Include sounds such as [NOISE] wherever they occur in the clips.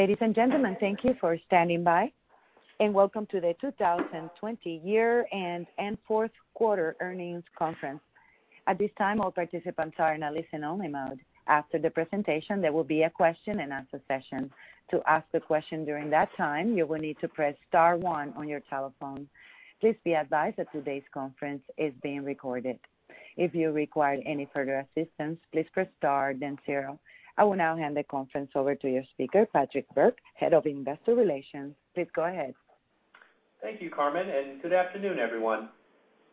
Ladies and gentlemen, thank you for standing by and welcome to the 2020 year-end and fourth quarter earnings conference. At this time, all participants are in a listen-only mode. After the presentation, there will be a question and answer session. To ask the question during that time, you will need to press star one on your telephone. Please be advised that today's conference is being recorded. If you require any further assistance, please press star then zero. I will now hand the conference over to your speaker, Patrick Burke, Head of Investor Relations. Please go ahead. Thank you, Carmen. Good afternoon, everyone.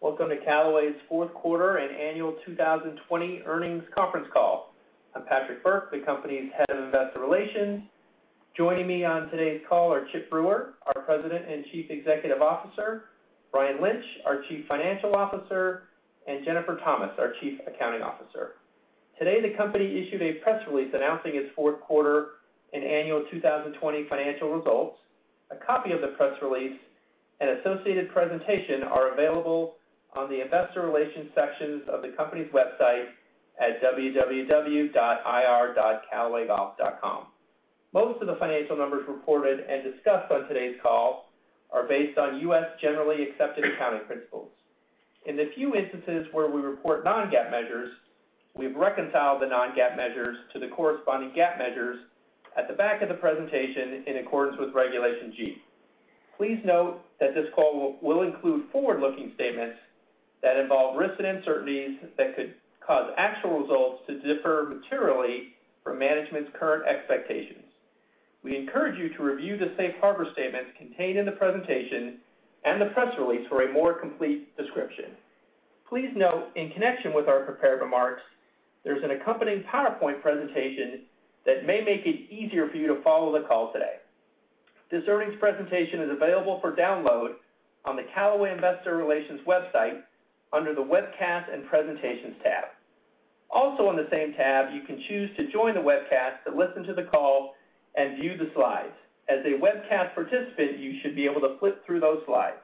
Welcome to Callaway's fourth quarter and annual 2020 earnings conference call. I'm Patrick Burke, the company's Head of Investor Relations. Joining me on today's call are Chip Brewer, our President and Chief Executive Officer, Brian Lynch, our Chief Financial Officer, and Jennifer Thomas, our Chief Accounting Officer. Today, the company issued a press release announcing its fourth quarter and annual 2020 financial results. A copy of the press release and associated presentation are available on the investor relations sections of the company's website at www.ir.callawaygolf.com. Most of the financial numbers reported and discussed on today's call are based on U.S. Generally Accepted Accounting Principles. In the few instances where we report non-GAAP measures, we've reconciled the non-GAAP measures to the corresponding GAAP measures at the back of the presentation in accordance with Regulation G. Please note that this call will include forward-looking statements that involve risks and uncertainties that could cause actual results to differ materially from management's current expectations. We encourage you to review the safe harbor statements contained in the presentation and the press release for a more complete description. Please note, in connection with our prepared remarks, there's an accompanying PowerPoint presentation that may make it easier for you to follow the call today. This earnings presentation is available for download on the Callaway Investor Relations website under the Webcast and Presentations tab. Also on the same tab, you can choose to join the webcast to listen to the call and view the slides. As a webcast participant, you should be able to flip through those slides.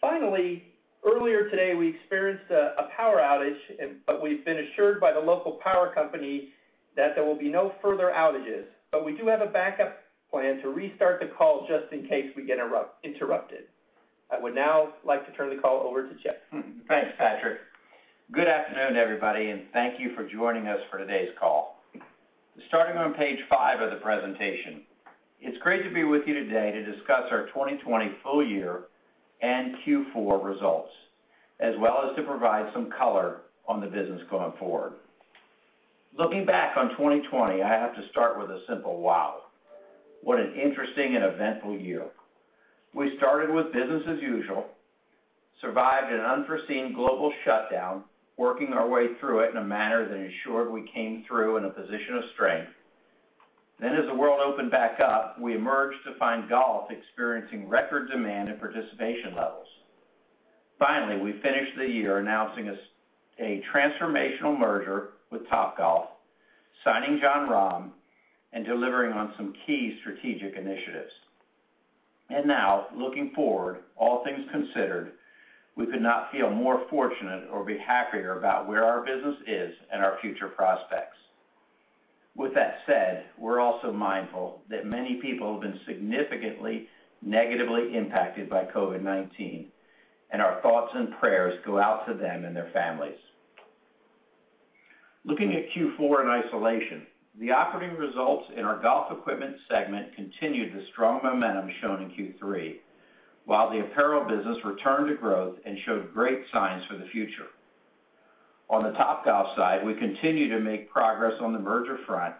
Finally, earlier today, we experienced a power outage, but we've been assured by the local power company that there will be no further outages. We do have a backup plan to restart the call just in case we get interrupted. I would now like to turn the call over to Chip. Thanks, Patrick. Good afternoon, everybody, and thank you for joining us for today's call. Starting on page five of the presentation, it's great to be with you today to discuss our 2020 full year and Q4 results, as well as to provide some color on the business going forward. Looking back on 2020, I have to start with a simple wow. What an interesting and eventful year. We started with business as usual, survived an unforeseen global shutdown, working our way through it in a manner that ensured we came through in a position of strength. As the world opened back up, we emerged to find golf experiencing record demand and participation levels. Finally, we finished the year announcing a transformational merger with Topgolf, signing Jon Rahm, and delivering on some key strategic initiatives. Now, looking forward, all things considered, we could not feel more fortunate or be happier about where our business is and our future prospects. With that said, we're also mindful that many people have been significantly negatively impacted by COVID-19, and our thoughts and prayers go out to them and their families. Looking at Q4 in isolation, the operating results in our golf equipment segment continued the strong momentum shown in Q3, while the apparel business returned to growth and showed great signs for the future. On the Topgolf side, we continue to make progress on the merger front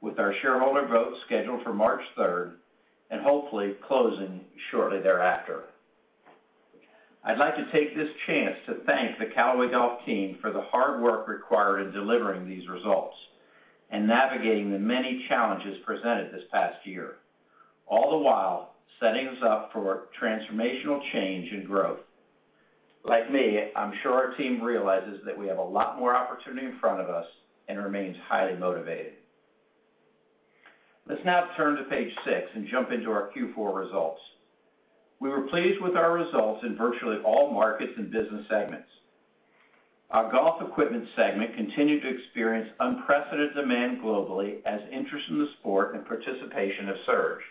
with our shareholder vote scheduled for March 3rd and hopefully closing shortly thereafter. I'd like to take this chance to thank the Callaway Golf team for the hard work required in delivering these results and navigating the many challenges presented this past year, all the while setting us up for transformational change and growth. Like me, I'm sure our team realizes that we have a lot more opportunity in front of us and remains highly motivated. Let's now turn to page six and jump into our Q4 results. We were pleased with our results in virtually all markets and business segments. Our golf equipment segment continued to experience unprecedented demand globally as interest in the sport and participation have surged.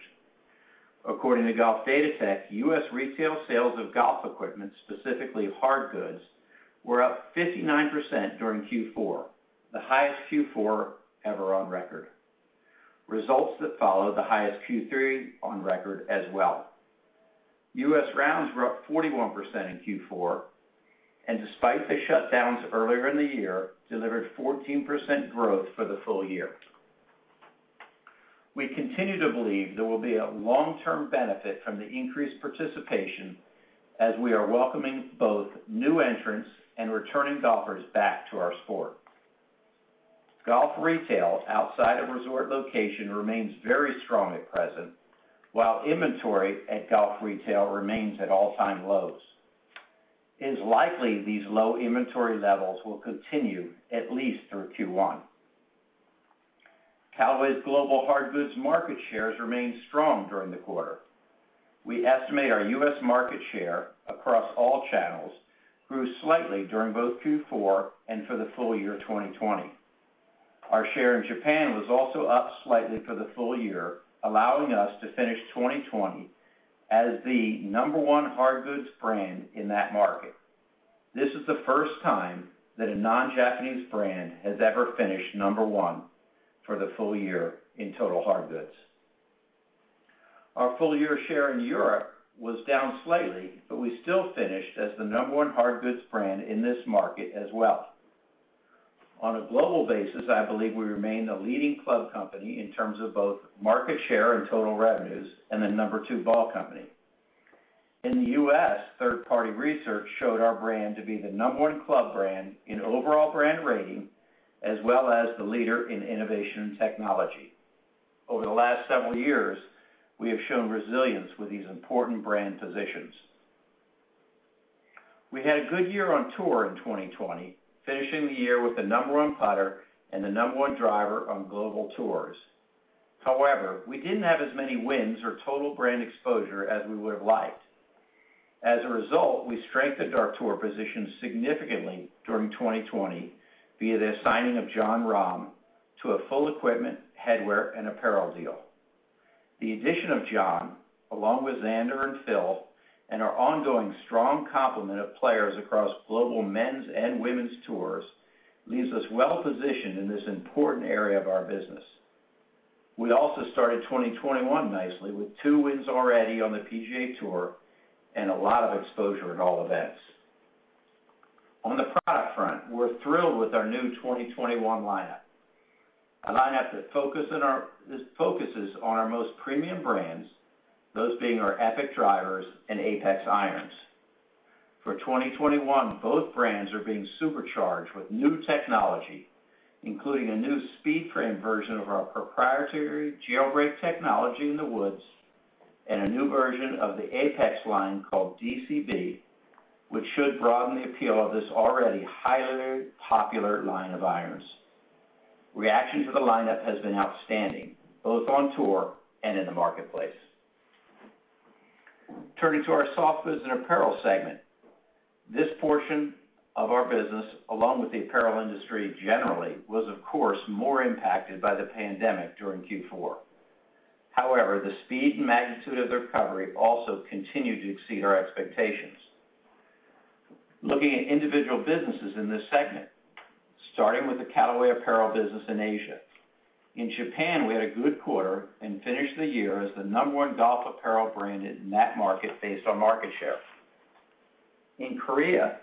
According to Golf Datatech, U.S. retail sales of golf equipment, specifically hard goods, were up 59% during Q4, the highest Q4 ever on record. Results that follow the highest Q3 on record as well. U.S. rounds were up 41% in Q4, and despite the shutdowns earlier in the year, delivered 14% growth for the full year. We continue to believe there will be a long-term benefit from the increased participation as we are welcoming both new entrants and returning golfers back to our sport. Golf retail outside of resort location remains very strong at present, while inventory at golf retail remains at all-time lows. It's likely these low inventory levels will continue at least through Q1. Callaway's global hard goods market shares remained strong during the quarter. We estimate our U.S. market share across all channels grew slightly during both Q4 and for the full year 2020. Our share in Japan was also up slightly for the full year, allowing us to finish 2020 as the number one hard goods brand in that market. This is the first time that a non-Japanese brand has ever finished number one for the full year in total hard goods. Our full-year share in Europe was down slightly, but we still finished as the number one hard goods brand in this market as well. On a global basis, I believe we remain the leading club company in terms of both market share and total revenues, and the number two ball company. In the U.S., third-party research showed our brand to be the number one club brand in overall brand rating, as well as the leader in innovation and technology. Over the last several years, we have shown resilience with these important brand positions. We had a good year on tour in 2020, finishing the year with the number one putter and the number one driver on global tours. However, we didn't have as many wins or total brand exposure as we would've liked. We strengthened our tour position significantly during 2020 via the signing of Jon Rahm to a full equipment, headwear, and apparel deal. The addition of Jon, along with Xander and Phil, and our ongoing strong complement of players across global men's and women's tours, leaves us well-positioned in this important area of our business. We also started 2021 nicely with two wins already on the PGA Tour and a lot of exposure at all events. On the product front, we're thrilled with our new 2021 lineup. A lineup that focuses on our most premium brands, those being our Epic drivers and Apex irons. For 2021, both brands are being supercharged with new technology, including a new Speed Frame version of our proprietary Jailbreak technology in the woods, and a new version of the Apex line called DCB, which should broaden the appeal of this already highly popular line of irons. Reaction to the lineup has been outstanding, both on tour and in the marketplace. Turning to our soft goods and apparel segment. This portion of our business, along with the apparel industry generally, was of course more impacted by the pandemic during Q4. However, the speed and magnitude of the recovery also continued to exceed our expectations. Looking at individual businesses in this segment, starting with the Callaway Golf Apparel business in Asia. In Japan, we had a good quarter and finished the year as the number one golf apparel brand in that market based on market share. In Korea,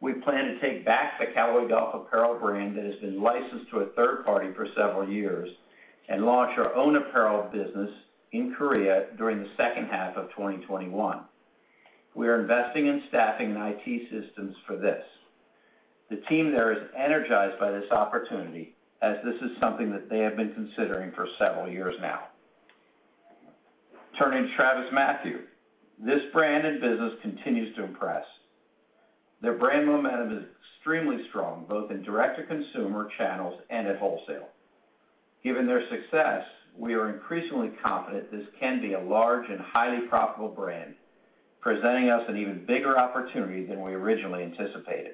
we plan to take back the Callaway Golf apparel brand that has been licensed to a third party for several years and launch our own apparel business in Korea during the second half of 2021. We are investing in staffing and IT systems for this. The team there is energized by this opportunity, as this is something that they have been considering for several years now. Turning to TravisMathew. This brand and business continues to impress. Their brand momentum is extremely strong, both in direct-to-consumer channels and at wholesale. Given their success, we are increasingly confident this can be a large and highly profitable brand, presenting us an even bigger opportunity than we originally anticipated.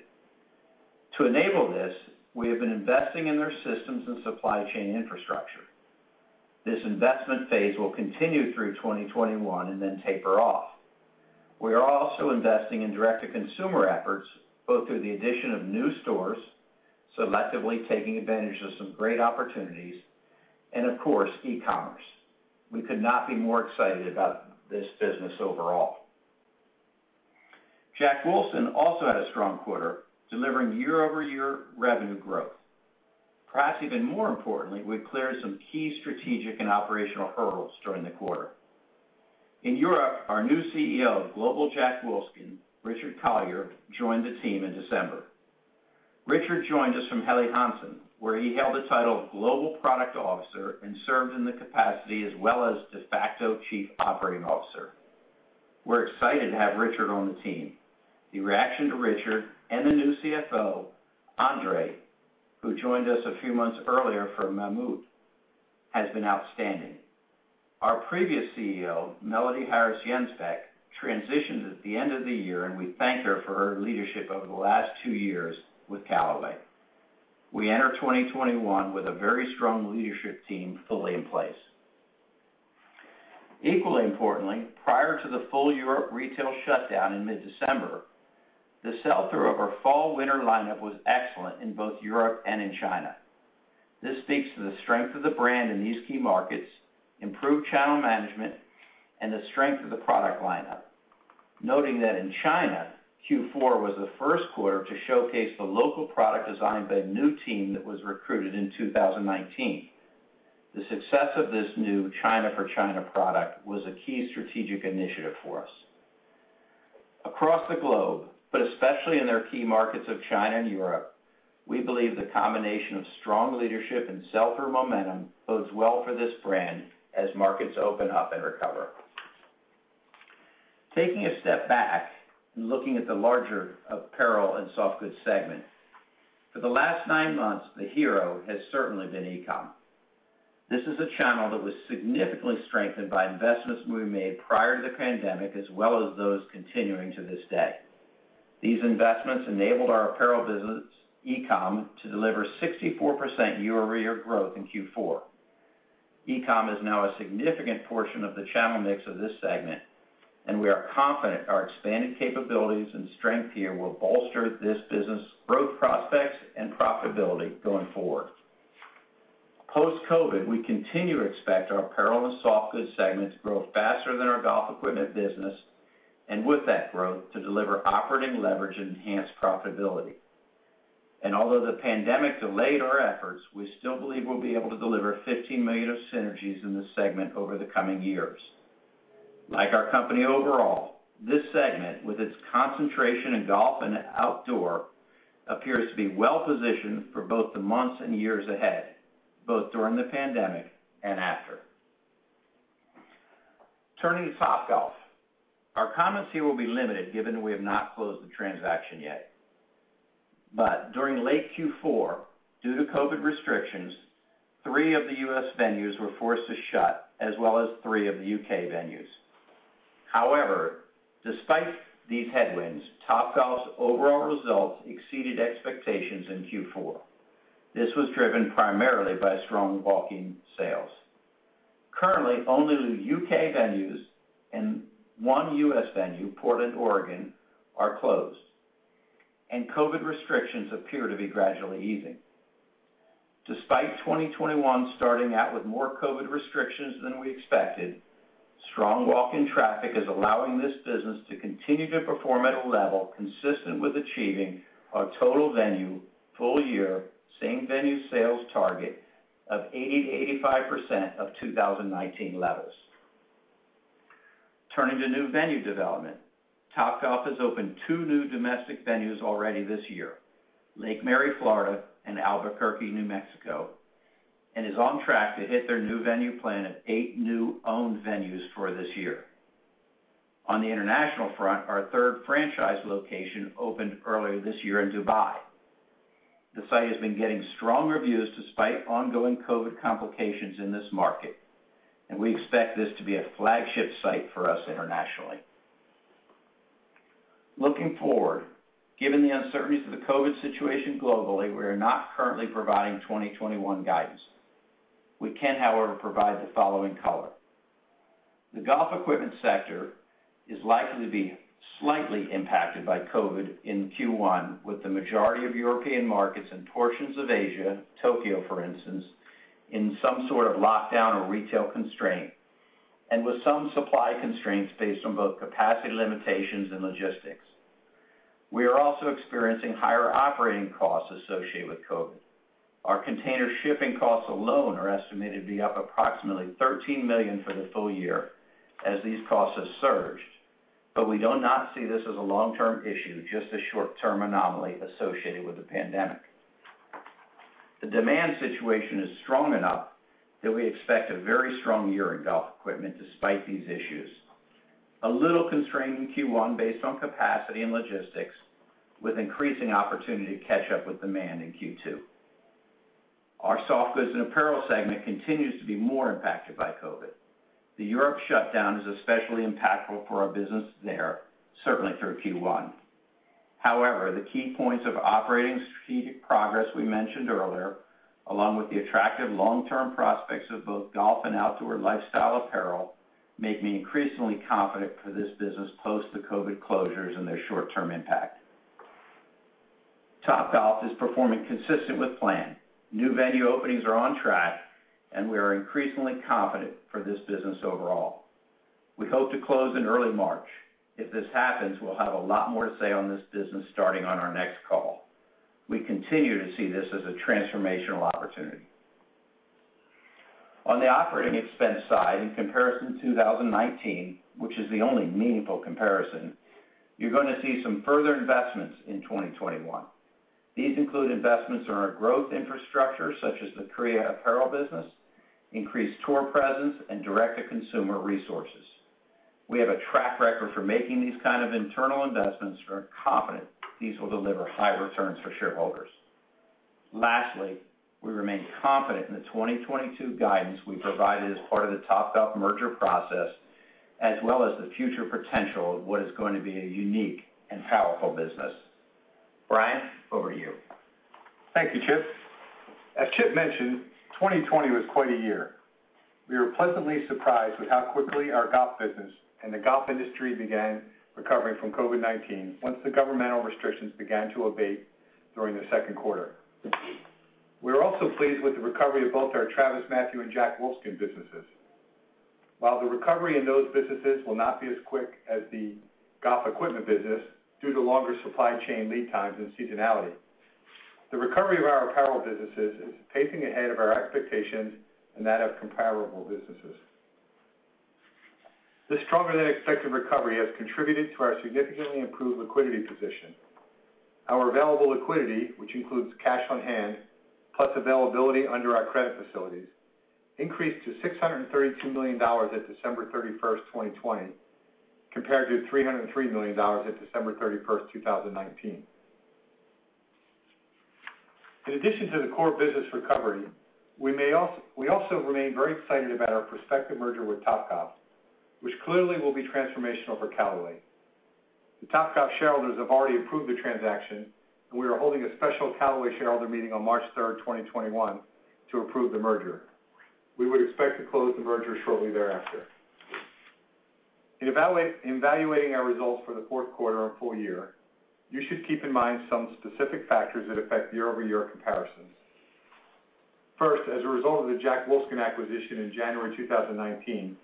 To enable this, we have been investing in their systems and supply chain infrastructure. This investment phase will continue through 2021 and then taper off. We are also investing in direct-to-consumer efforts, both through the addition of new stores, selectively taking advantage of some great opportunities, and of course, e-commerce. We could not be more excited about this business overall. Jack Wolfskin also had a strong quarter, delivering year-over-year revenue growth. Perhaps even more importantly, we cleared some key strategic and operational hurdles during the quarter. In Europe, our new CEO of global Jack Wolfskin, Richard Collier, joined the team in December. Richard joined us from Helly Hansen, where he held the title of Global Product Officer and served in the capacity as well as de facto chief operating officer. We're excited to have Richard on the team. The reaction to Richard and the new CFO, André, who joined us a few months earlier from Mammut, has been outstanding. Our previous CEO, Melody Harris-Jensbach, transitioned at the end of the year, and we thank her for her leadership over the last two years with Callaway. We enter 2021 with a very strong leadership team fully in place. Equally importantly, prior to the full Europe retail shutdown in mid-December, the sell-through of our fall/winter lineup was excellent in both Europe and in China. This speaks to the strength of the brand in these key markets, improved channel management, and the strength of the product lineup. Noting that in China, Q4 was the first quarter to showcase the local product designed by the new team that was recruited in 2019. The success of this new China for China product was a key strategic initiative for us. Across the globe, but especially in their key markets of China and Europe, we believe the combination of strong leadership and sell-through momentum bodes well for this brand as markets open up and recover. Taking a step back and looking at the larger apparel and soft goods segment. For the last nine months, the hero has certainly been e-com. This is a channel that was significantly strengthened by investments we made prior to the pandemic, as well as those continuing to this day. These investments enabled our apparel business, e-com, to deliver 64% year-over-year growth in Q4. E-com is now a significant portion of the channel mix of this segment, and we are confident our expanded capabilities and strength here will bolster this business' growth prospects and profitability going forward. Post-COVID, we continue to expect our apparel and softgoods segments to grow faster than our golf equipment business, and with that growth, to deliver operating leverage and enhanced profitability. Although the pandemic delayed our efforts, we still believe we'll be able to deliver $15 million of synergies in this segment over the coming years. Like our company overall, this segment, with its concentration in golf and outdoor, appears to be well-positioned for both the months and years ahead, both during the pandemic and after. Turning to Topgolf. Our comments here will be limited, given that we have not closed the transaction yet. During late Q4, due to COVID restrictions, three of the U.S. venues were forced to shut as well as three of the U.K. venues. However, despite these headwinds, Topgolf's overall results exceeded expectations in Q4. This was driven primarily by strong walk-in sales. Currently, only the U.K. venues and one U.S. venue, Portland, Oregon, are closed, and COVID restrictions appear to be gradually easing. Despite 2021 starting out with more COVID restrictions than we expected, strong walk-in traffic is allowing this business to continue to perform at a level consistent with achieving our total venue full-year same-venue sales target of 80%-85% of 2019 levels. Turning to new venue development, Topgolf has opened two new domestic venues already this year, Lake Mary, Florida, and Albuquerque, New Mexico, and is on track to hit their new venue plan of eight new owned venues for this year. On the international front, our third franchise location opened earlier this year in Dubai. The site has been getting strong reviews despite ongoing COVID complications in this market, and we expect this to be a flagship site for us internationally. Looking forward, given the uncertainties of the COVID situation globally, we are not currently providing 2021 guidance. We can, however, provide the following color. The golf equipment sector is likely to be slightly impacted by COVID in Q1 with the majority of European markets and portions of Asia, Tokyo, for instance, in some sort of lockdown or retail constraint, and with some supply constraints based on both capacity limitations and logistics. We are also experiencing higher operating costs associated with COVID. Our container shipping costs alone are estimated to be up approximately $13 million for the full year as these costs have surged. We do not see this as a long-term issue, just a short-term anomaly associated with the pandemic. The demand situation is strong enough that we expect a very strong year in golf equipment despite these issues. A little constrained in Q1 based on capacity and logistics, with increasing opportunity to catch up with demand in Q2. Our softgoods and apparel segment continues to be more impacted by COVID. The Europe shutdown is especially impactful for our business there, certainly through Q1. The key points of operating strategic progress we mentioned earlier, along with the attractive long-term prospects of both golf and outdoor lifestyle apparel, make me increasingly confident for this business post the COVID closures and their short-term impact. Topgolf is performing consistent with plan. New venue openings are on track. We are increasingly confident for this business overall. We hope to close in early March. If this happens, we'll have a lot more to say on this business starting on our next call. We continue to see this as a transformational opportunity. On the operating expense side, in comparison to 2019, which is the only meaningful comparison, you're going to see some further investments in 2021. These include investments in our growth infrastructure, such as the Korea apparel business, increased tour presence, and direct-to-consumer resources. We have a track record for making these kind of internal investments and are confident these will deliver high returns for shareholders. Lastly, we remain confident in the 2022 guidance we provided as part of the Topgolf merger process, as well as the future potential of what is going to be a unique and powerful business. Brian, over to you. Thank you, Chip. As Chip mentioned, 2020 was quite a year. We're pleasantly surprised how quickly our golf business and the golf industry begun recovering from COVID-19 [INAUDIBLE] restrictions begun to abate during the second quarter. We're also pleased with the recovery of both our TravisMathew and Jack Wolfskin businesses. While the recovery in those businesses will not be as quick as the golf equipment business due to longer supply chain lead times and seasonality, the recovery of our apparel businesses is pacing ahead of our expectations and that of comparable businesses. This stronger-than-expected recovery has contributed to our significantly improved liquidity position. Our available liquidity, which includes cash on hand plus availability under our credit facilities, increased to $632 million at December 31st, 2020. Compared to $303 million at December 31st, 2019. In addition to the core business recovery, we also remain very excited about our prospective merger with Topgolf, which clearly will be transformational for Callaway. The Topgolf shareholders have already approved the transaction, and we are holding a special Callaway shareholder meeting on March 3rd, 2021 to approve the merger. We would expect to close the merger shortly thereafter. In evaluating our results for the fourth quarter and full year, you should keep in mind some specific factors that affect year-over-year comparisons. First, as a result of the Jack Wolfskin acquisition in January 2019,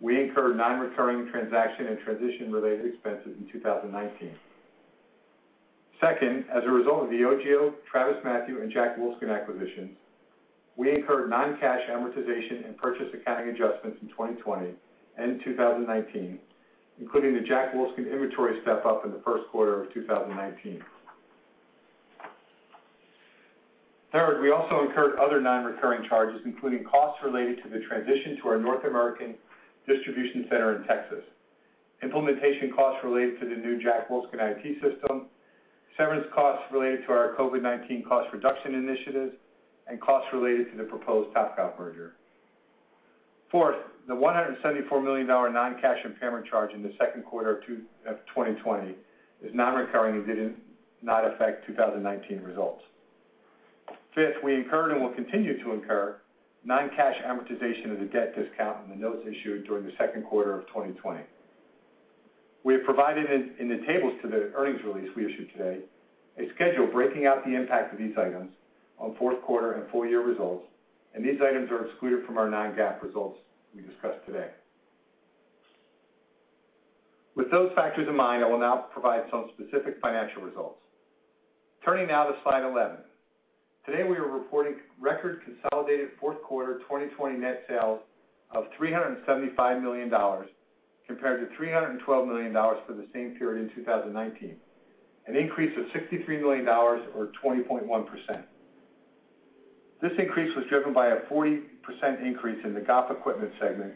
we incurred non-recurring transaction and transition-related expenses in 2019. Second, as a result of the OGIO, TravisMathew, and Jack Wolfskin acquisitions, we incurred non-cash amortization and purchase accounting adjustments in 2020 and 2019, including the Jack Wolfskin inventory step-up in the first quarter of 2019. Third, we also incurred other non-recurring charges, including costs related to the transition to our North American distribution center in Texas, implementation costs related to the new Jack Wolfskin IT system, severance costs related to our COVID-19 cost reduction initiatives, and costs related to the proposed Topgolf merger. Fourth, the $174 million non-cash impairment charge in the second quarter of 2020 is non-recurring and did not affect 2019 results. Fifth, we incurred and will continue to incur non-cash amortization of the debt discount on the notes issued during the second quarter of 2020. We have provided in the tables to the earnings release we issued today, a schedule breaking out the impact of these items on fourth quarter and full-year results, and these items are excluded from our non-GAAP results we discussed today. With those factors in mind, I will now provide some specific financial results. Turning now to slide 11. Today, we are reporting record consolidated fourth quarter 2020 net sales of $375 million compared to $312 million for the same period in 2019, an increase of $63 million or 20.1%. This increase was driven by a 40% increase in the golf equipment segment,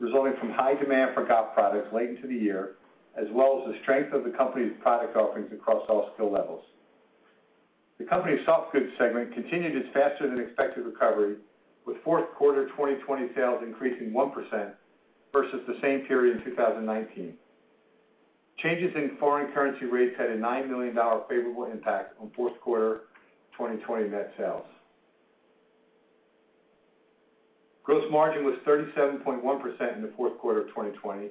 resulting from high demand for golf products late into the year, as well as the strength of the company's product offerings across all skill levels. The company's softgoods segment continued its faster-than-expected recovery with fourth quarter 2020 sales increasing 1% versus the same period in 2019. Changes in foreign currency rates had a $9 million favorable impact on fourth quarter 2020 net sales. Gross margin was 37.1% in the fourth quarter of 2020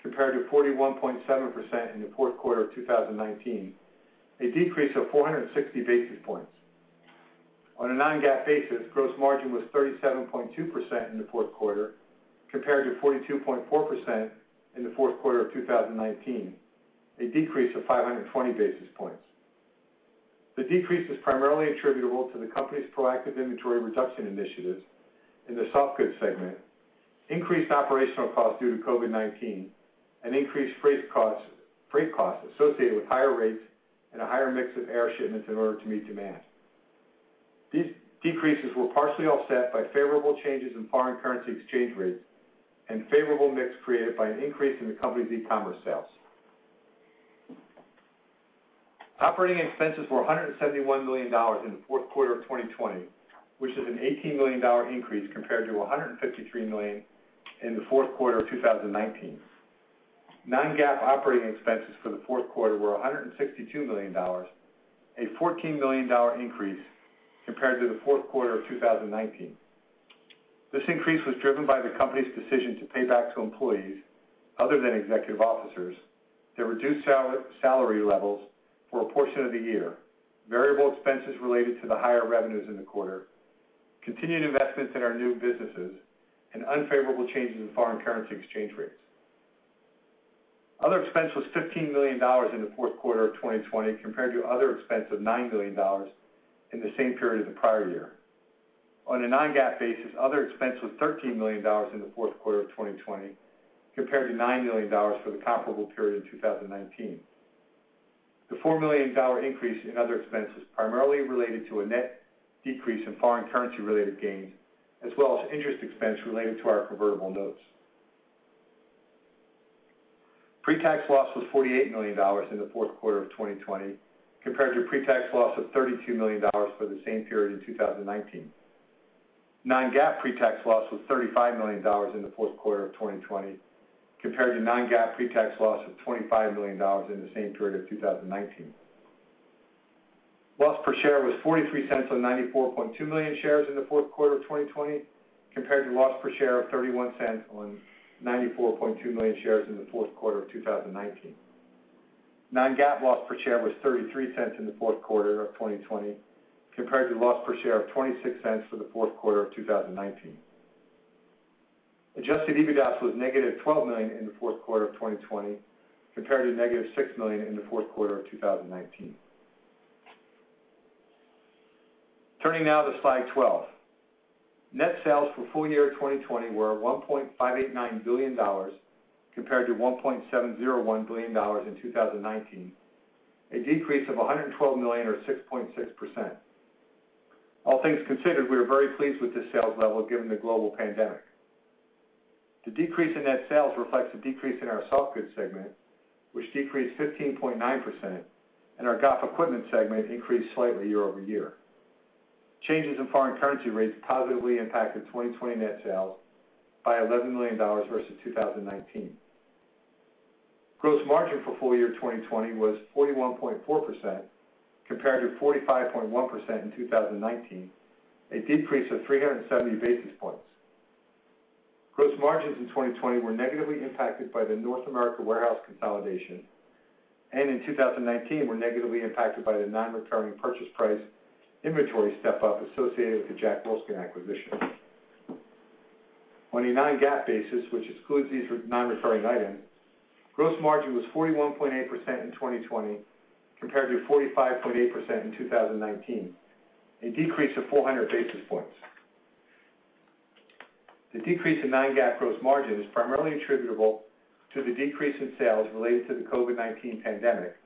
compared to 41.7% in the fourth quarter of 2019, a decrease of 460 basis points. On a non-GAAP basis, gross margin was 37.2% in the fourth quarter compared to 42.4% in the fourth quarter of 2019, a decrease of 520 basis points. The decrease was primarily attributable to the company's proactive inventory reduction initiatives in the softgoods segment, increased operational costs due to COVID-19, and increased freight costs associated with higher rates and a higher mix of air shipments in order to meet demand. These decreases were partially offset by favorable changes in foreign currency exchange rates and favorable mix created by an increase in the company's e-commerce sales. Operating expenses were $171 million in the fourth quarter of 2020, which is an $18 million increase compared to $153 million in the fourth quarter of 2019. Non-GAAP operating expenses for the fourth quarter were $162 million, a $14 million increase compared to the fourth quarter of 2019. This increase was driven by the company's decision to pay back to employees, other than executive officers, their reduced salary levels for a portion of the year, variable expenses related to the higher revenues in the quarter, continued investments in our new businesses, and unfavorable changes in foreign currency exchange rates. Other expense was $15 million in the fourth quarter of 2020 compared to other expense of $9 million in the same period as the prior year. On a non-GAAP basis, other expense was $13 million in the fourth quarter of 2020 compared to $9 million for the comparable period in 2019. The $4 million increase in other expense is primarily related to a net decrease in foreign currency-related gains, as well as interest expense related to our convertible notes. Pre-tax loss was $48 million in the fourth quarter of 2020 compared to pre-tax loss of $32 million for the same period in 2019. Non-GAAP pre-tax loss was $35 million in the fourth quarter of 2020 compared to non-GAAP pre-tax loss of $25 million in the same period of 2019. Loss per share was $0.43 on 94.2 million shares in the fourth quarter of 2020 compared to loss per share of $0.31 on 94.2 million shares in the fourth quarter of 2019. Non-GAAP loss per share was $0.33 in the fourth quarter of 2020 compared to loss per share of $0.26 for the fourth quarter of 2019. Adjusted EBITDA was -$12 million in the fourth quarter of 2020 compared to -$6 million in the fourth quarter of 2019. Turning now to slide 12. Net sales for full year 2020 were $1.589 billion compared to $1.701 billion in 2019, a decrease of $112 million or 6.6%. All things considered, we are very pleased with the sales level given the global pandemic. The decrease in net sales reflects a decrease in our softgoods segment, which decreased 15.9%, and our golf equipment segment increased slightly year-over-year. Changes in foreign currency rates positively impacted 2020 net sales by $11 million versus 2019. Gross margin for full year 2020 was 41.4% compared to 45.1% in 2019, a decrease of 370 basis points. Gross margins in 2020 were negatively impacted by the North America warehouse consolidation, and in 2019 were negatively impacted by the non-recurring purchase price inventory step-up associated with the Jack Wolfskin acquisition. On a non-GAAP basis, which excludes these non-recurring items, gross margin was 41.8% in 2020 compared to 45.8% in 2019, a decrease of 400 basis points. The decrease in non-GAAP gross margin is primarily attributable to the decrease in sales related to the COVID-19 pandemic,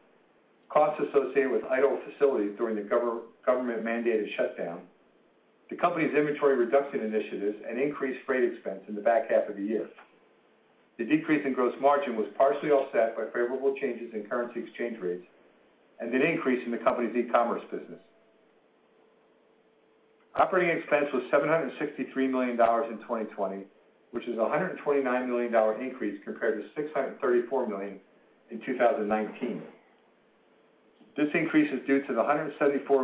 costs associated with idle facilities during the government-mandated shutdown, the company's inventory reduction initiatives, and increased freight expense in the back half of the year. The decrease in gross margin was partially offset by favorable changes in currency exchange rates and an increase in the company's e-commerce business. Operating expense was $763 million in 2020, which is a $129 million increase compared to $634 million in 2019. This increase is due to the $174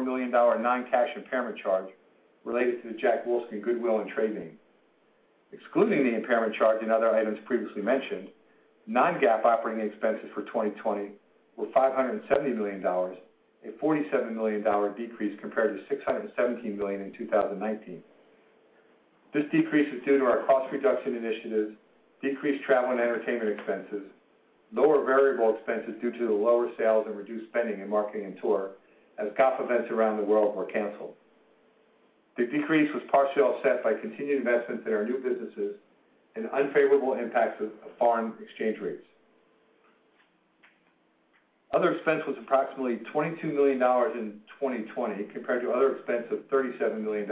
million non-cash impairment charge related to the Jack Wolfskin goodwill and trade name. Excluding the impairment charge and other items previously mentioned, non-GAAP operating expenses for 2020 were $570 million, a $47 million decrease compared to $617 million in 2019. This decrease is due to our cost reduction initiatives, decreased travel and entertainment expenses, lower variable expenses due to the lower sales and reduced spending in marketing and tour as golf events around the world were canceled. The decrease was partially offset by continued investments in our new businesses and unfavorable impacts of foreign exchange rates. Other expense was approximately $22 million in 2020 compared to other expense of $37 million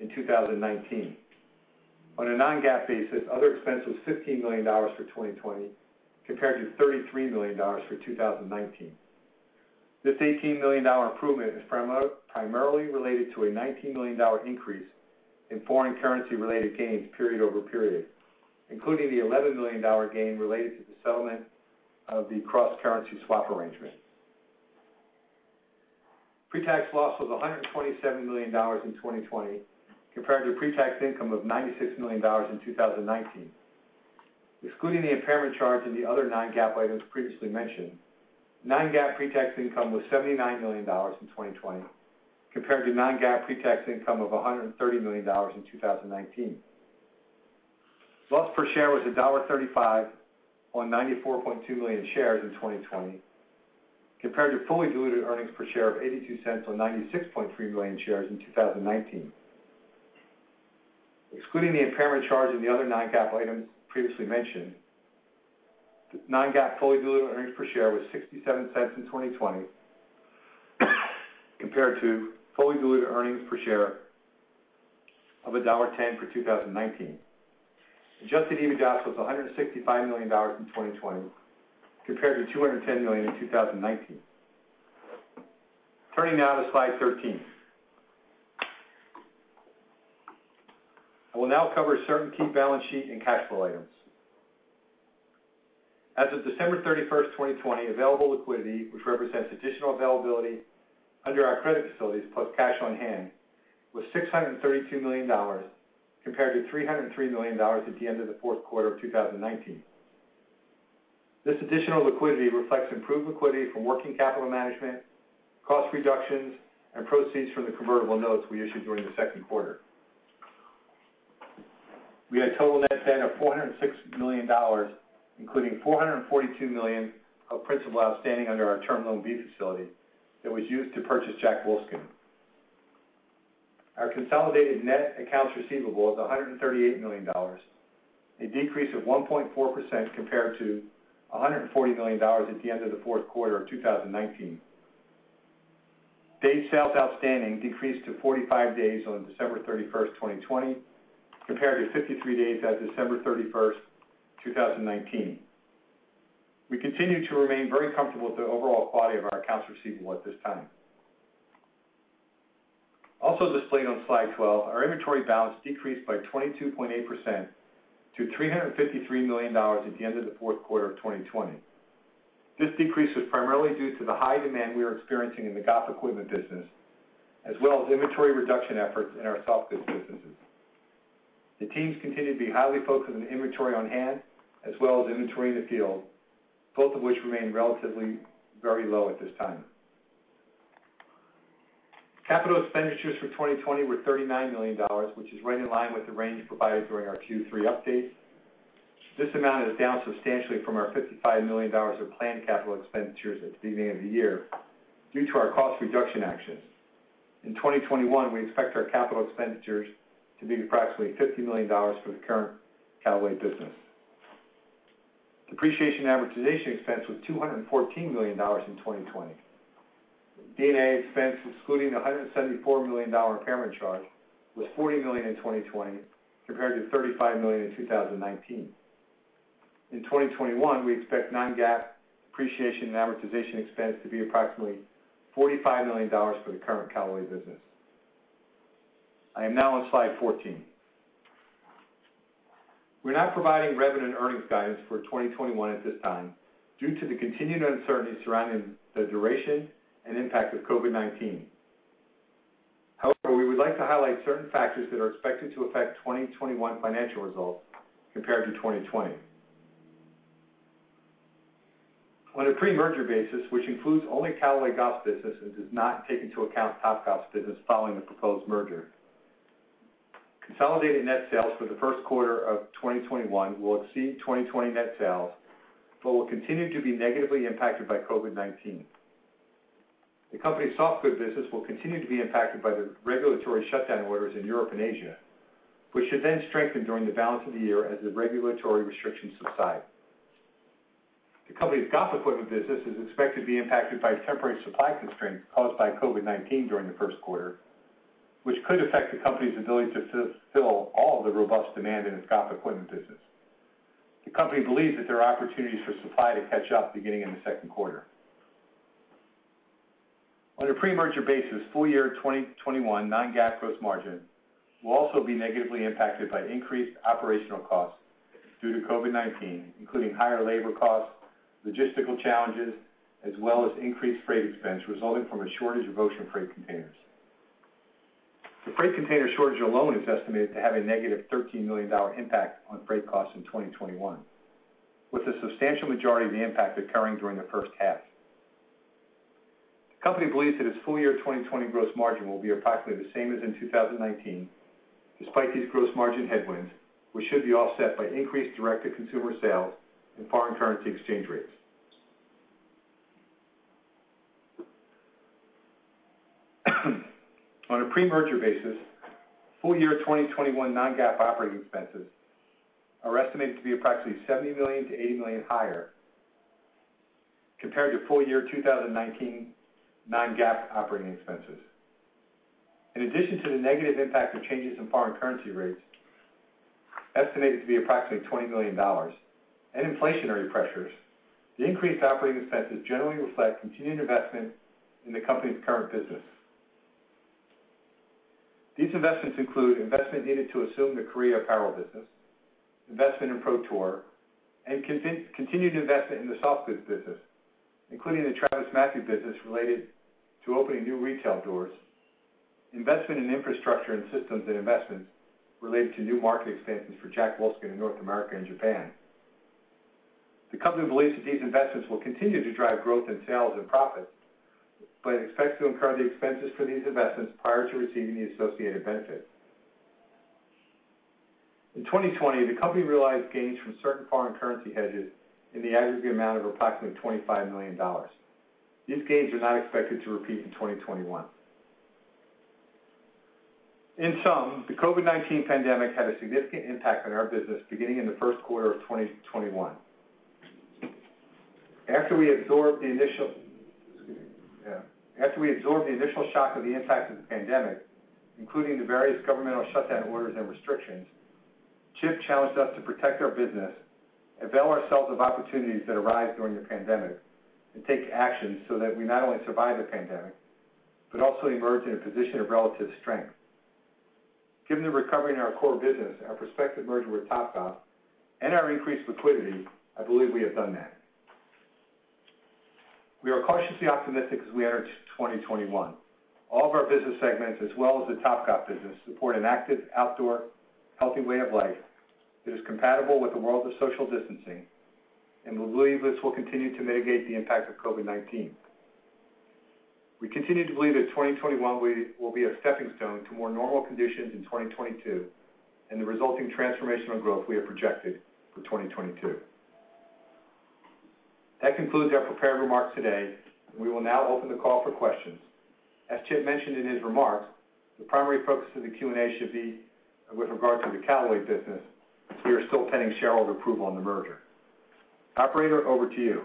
in 2019. On a non-GAAP basis, other expense was $15 million for 2020 compared to $33 million for 2019. This $18 million improvement is primarily related to a $19 million increase in foreign currency-related gains period over period, including the $11 million gain related to the settlement of the cross-currency swap arrangement. Pre-tax loss was $127 million in 2020 compared to pre-tax income of $96 million in 2019. Excluding the impairment charge and the other non-GAAP items previously mentioned, non-GAAP pre-tax income was $79 million in 2020 compared to non-GAAP pre-tax income of $130 million in 2019. Loss per share was $1.35 on 94.2 million shares in 2020 compared to fully diluted earnings per share of $0.82 on 96.3 million shares in 2019. Excluding the impairment charge and the other non-GAAP items previously mentioned, non-GAAP fully diluted earnings per share was $0.67 in 2020 compared to fully diluted earnings per share of $1.10 for 2019. Adjusted EBITDA was $165 million in 2020 compared to $210 million in 2019. Turning now to slide 13. I will now cover certain key balance sheet and cash flow items. As of December 31st, 2020, available liquidity, which represents additional availability under our credit facilities plus cash on hand, was $632 million compared to $303 million at the end of the fourth quarter of 2019. This additional liquidity reflects improved liquidity from working capital management, cost reductions, and proceeds from the convertible notes we issued during the second quarter. We had total net debt of $406 million, including $442 million of principal outstanding under our Term Loan B facility that was used to purchase Jack Wolfskin. Our consolidated net accounts receivable is $138 million, a decrease of 1.4% compared to $140 million at the end of the fourth quarter of 2019. Days sales outstanding decreased to 45 days on December 31st, 2020, compared to 53 days at December 31st, 2019. We continue to remain very comfortable with the overall quality of our accounts receivable at this time. Displayed on slide 12, our inventory balance decreased by 22.8% to $353 million at the end of the fourth quarter of 2020. This decrease was primarily due to the high demand we are experiencing in the golf equipment business, as well as inventory reduction efforts in our softgoods businesses. The teams continue to be highly focused on inventory on hand as well as inventory in the field, both of which remain relatively very low at this time. Capital expenditures for 2020 were $39 million, which is right in line with the range provided during our Q3 update. This amount is down substantially from our $55 million of planned capital expenditures at the beginning of the year due to our cost reduction actions. 2021, we expect our capital expenditures to be approximately $50 million for the current Callaway business. Depreciation and amortization expense was $214 million in 2020. D&A expense, excluding the $174 million impairment charge, was $40 million in 2020 compared to $35 million in 2019. In 2021, we expect non-GAAP depreciation and amortization expense to be approximately $45 million for the current Callaway business. I am now on slide 14. We're not providing revenue and earnings guidance for 2021 at this time due to the continued uncertainty surrounding the duration and impact of COVID-19. We would like to highlight certain factors that are expected to affect 2021 financial results compared to 2020. On a pre-merger basis, which includes only Callaway Golf business and does not take into account Topgolf's business following the proposed merger, consolidated net sales for the first quarter of 2021 will exceed 2020 net sales but will continue to be negatively impacted by COVID-19. The company's softgoods business will continue to be impacted by the regulatory shutdown orders in Europe and Asia, which should then strengthen during the balance of the year as the regulatory restrictions subside. The company's golf equipment business is expected to be impacted by temporary supply constraints caused by COVID-19 during the first quarter, which could affect the company's ability to fulfill all the robust demand in its golf equipment business. The company believes that there are opportunities for supply to catch up beginning in the second quarter. On a pre-merger basis, full year 2021 non-GAAP gross margin will also be negatively impacted by increased operational costs due to COVID-19, including higher labor costs, logistical challenges, as well as increased freight expense resulting from a shortage of ocean freight containers. The freight container shortage alone is estimated to have a -$13 million impact on freight costs in 2021, with a substantial majority of the impact occurring during the first half. The company believes that its full year 2020 gross margin will be approximately the same as in 2019, despite these gross margin headwinds, which should be offset by increased direct-to-consumer sales and foreign currency exchange rates. On a pre-merger basis, full year 2021 non-GAAP operating expenses are estimated to be approximately $70 million-$80 million higher compared to full year 2019 non-GAAP operating expenses. In addition to the negative impact of changes in foreign currency rates, estimated to be approximately $20 million, and inflationary pressures, the increased operating expenses generally reflect continued investment in the company's current business. These investments include investment needed to assume the Korea apparel business, investment in Pro Tour, and continued investment in the softgoods business, including the TravisMathew business related to opening new retail doors, investment in infrastructure and systems, and investments related to new market expansions for Jack Wolfskin in North America and Japan. The company believes that these investments will continue to drive growth in sales and profits, but it expects to incur the expenses for these investments prior to receiving the associated benefits. In 2020, the company realized gains from certain foreign currency hedges in the aggregate amount of approximately $25 million. These gains are not expected to repeat in 2021. In sum, the COVID-19 pandemic had a significant impact on our business beginning in the first quarter of 2021. After we absorbed the initial shock of the impact of the pandemic, including the various governmental shutdown orders and restrictions, Chip challenged us to protect our business, avail ourselves of opportunities that arise during the pandemic, and take action so that we not only survive the pandemic but also emerge in a position of relative strength. Given the recovery in our core business, our prospective merger with Topgolf, and our increased liquidity, I believe we have done that. We are cautiously optimistic as we enter 2021. All of our business segments, as well as the Topgolf business, support an active, outdoor, healthy way of life that is compatible with the world of social distancing, and we believe this will continue to mitigate the impact of COVID-19. We continue to believe that 2021 will be a stepping stone to more normal conditions in 2022 and the resulting transformational growth we have projected for 2022. That concludes our prepared remarks today, and we will now open the call for questions. As Chip mentioned in his remarks, the primary focus of the Q&A should be with regard to the Callaway business, as we are still pending shareholder approval on the merger. Operator, over to you.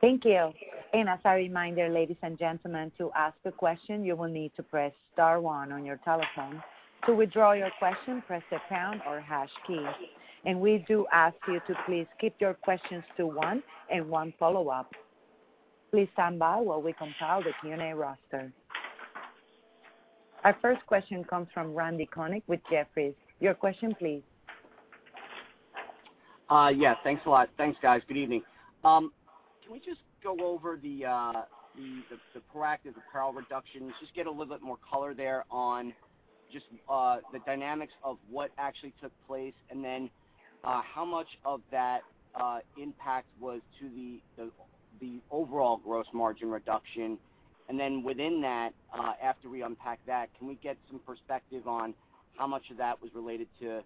Thank you. As a reminder, ladies and gentlemen, to ask a question, you will need to press star one on your telephone. To withdraw your question, press the pound or hash key. We do ask you to please keep your questions to one and one follow-up. Please stand by while we compile the Q&A roster. Our first question comes from Randal Konik with Jefferies. Your question, please. Yeah. Thanks a lot. Thanks, guys. Good evening. Can we just go over the proactive apparel reductions, just get a little bit more color there on just the dynamics of what actually took place, and then how much of that impact was to the overall gross margin reduction? Within that, after we unpack that, can we get some perspective on how much of that was related to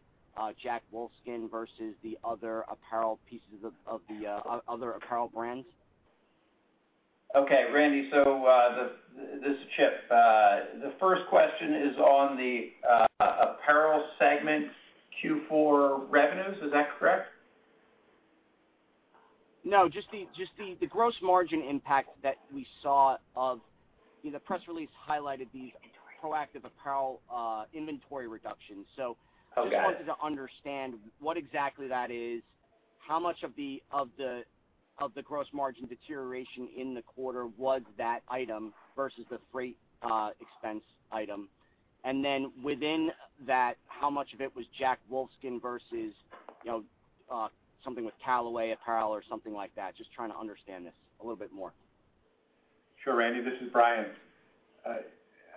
Jack Wolfskin versus the other apparel brands? Okay, Randy. This is Chip. The first question is on the apparel segment Q4 revenues, is that correct? No, just the gross margin impact that we saw of the press release highlighted these proactive apparel inventory reductions. Okay. Just wanted to understand what exactly that is, how much of the gross margin deterioration in the quarter was that item versus the freight expense item. Within that, how much of it was Jack Wolfskin versus something with Callaway Apparel or something like that? Just trying to understand this a little bit more. Sure, Randy, this is Brian.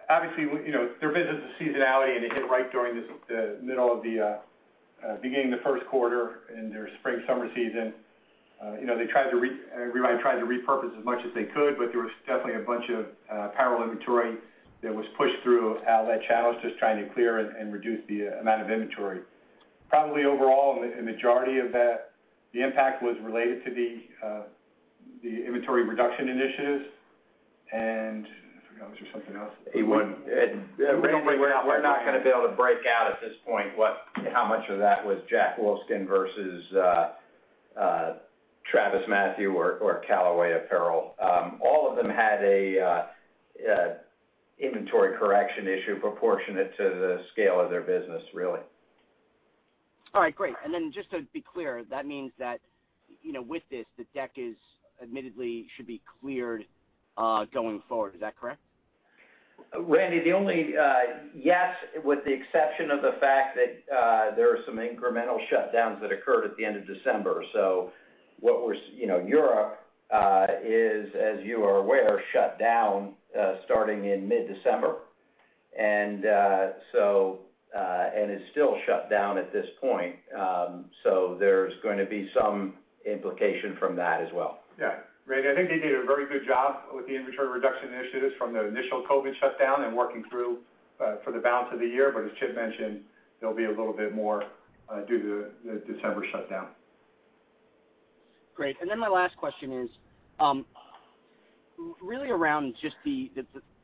Obviously, their business is seasonality, and it hit right during the middle of the beginning of the first quarter in their spring-summer season. Everybody tried to repurpose as much as they could, but there was definitely a bunch of apparel inventory that was pushed through outlet channels just trying to clear and reduce the amount of inventory. Probably overall, a majority of that, the impact was related to the inventory reduction initiatives, and I forgot, was there something else? Randal, we're not going to be able to break out at this point how much of that was Jack Wolfskin versus TravisMathew or Callaway Apparel. All of them had an inventory correction issue proportionate to the scale of their business, really. All right, great. Just to be clear, that means that with this, the deck admittedly should be cleared going forward. Is that correct? Randal, yes, with the exception of the fact that there are some incremental shutdowns that occurred at the end of December. Europe, as you are aware, shut down starting in mid-December, and is still shut down at this point. There's going to be some implication from that as well. Yeah. Randal, I think they did a very good job with the inventory reduction initiatives from the initial COVID shutdown and working through for the balance of the year. As Chip mentioned, there'll be a little bit more due to the December shutdown. Great. Then my last question is really around just the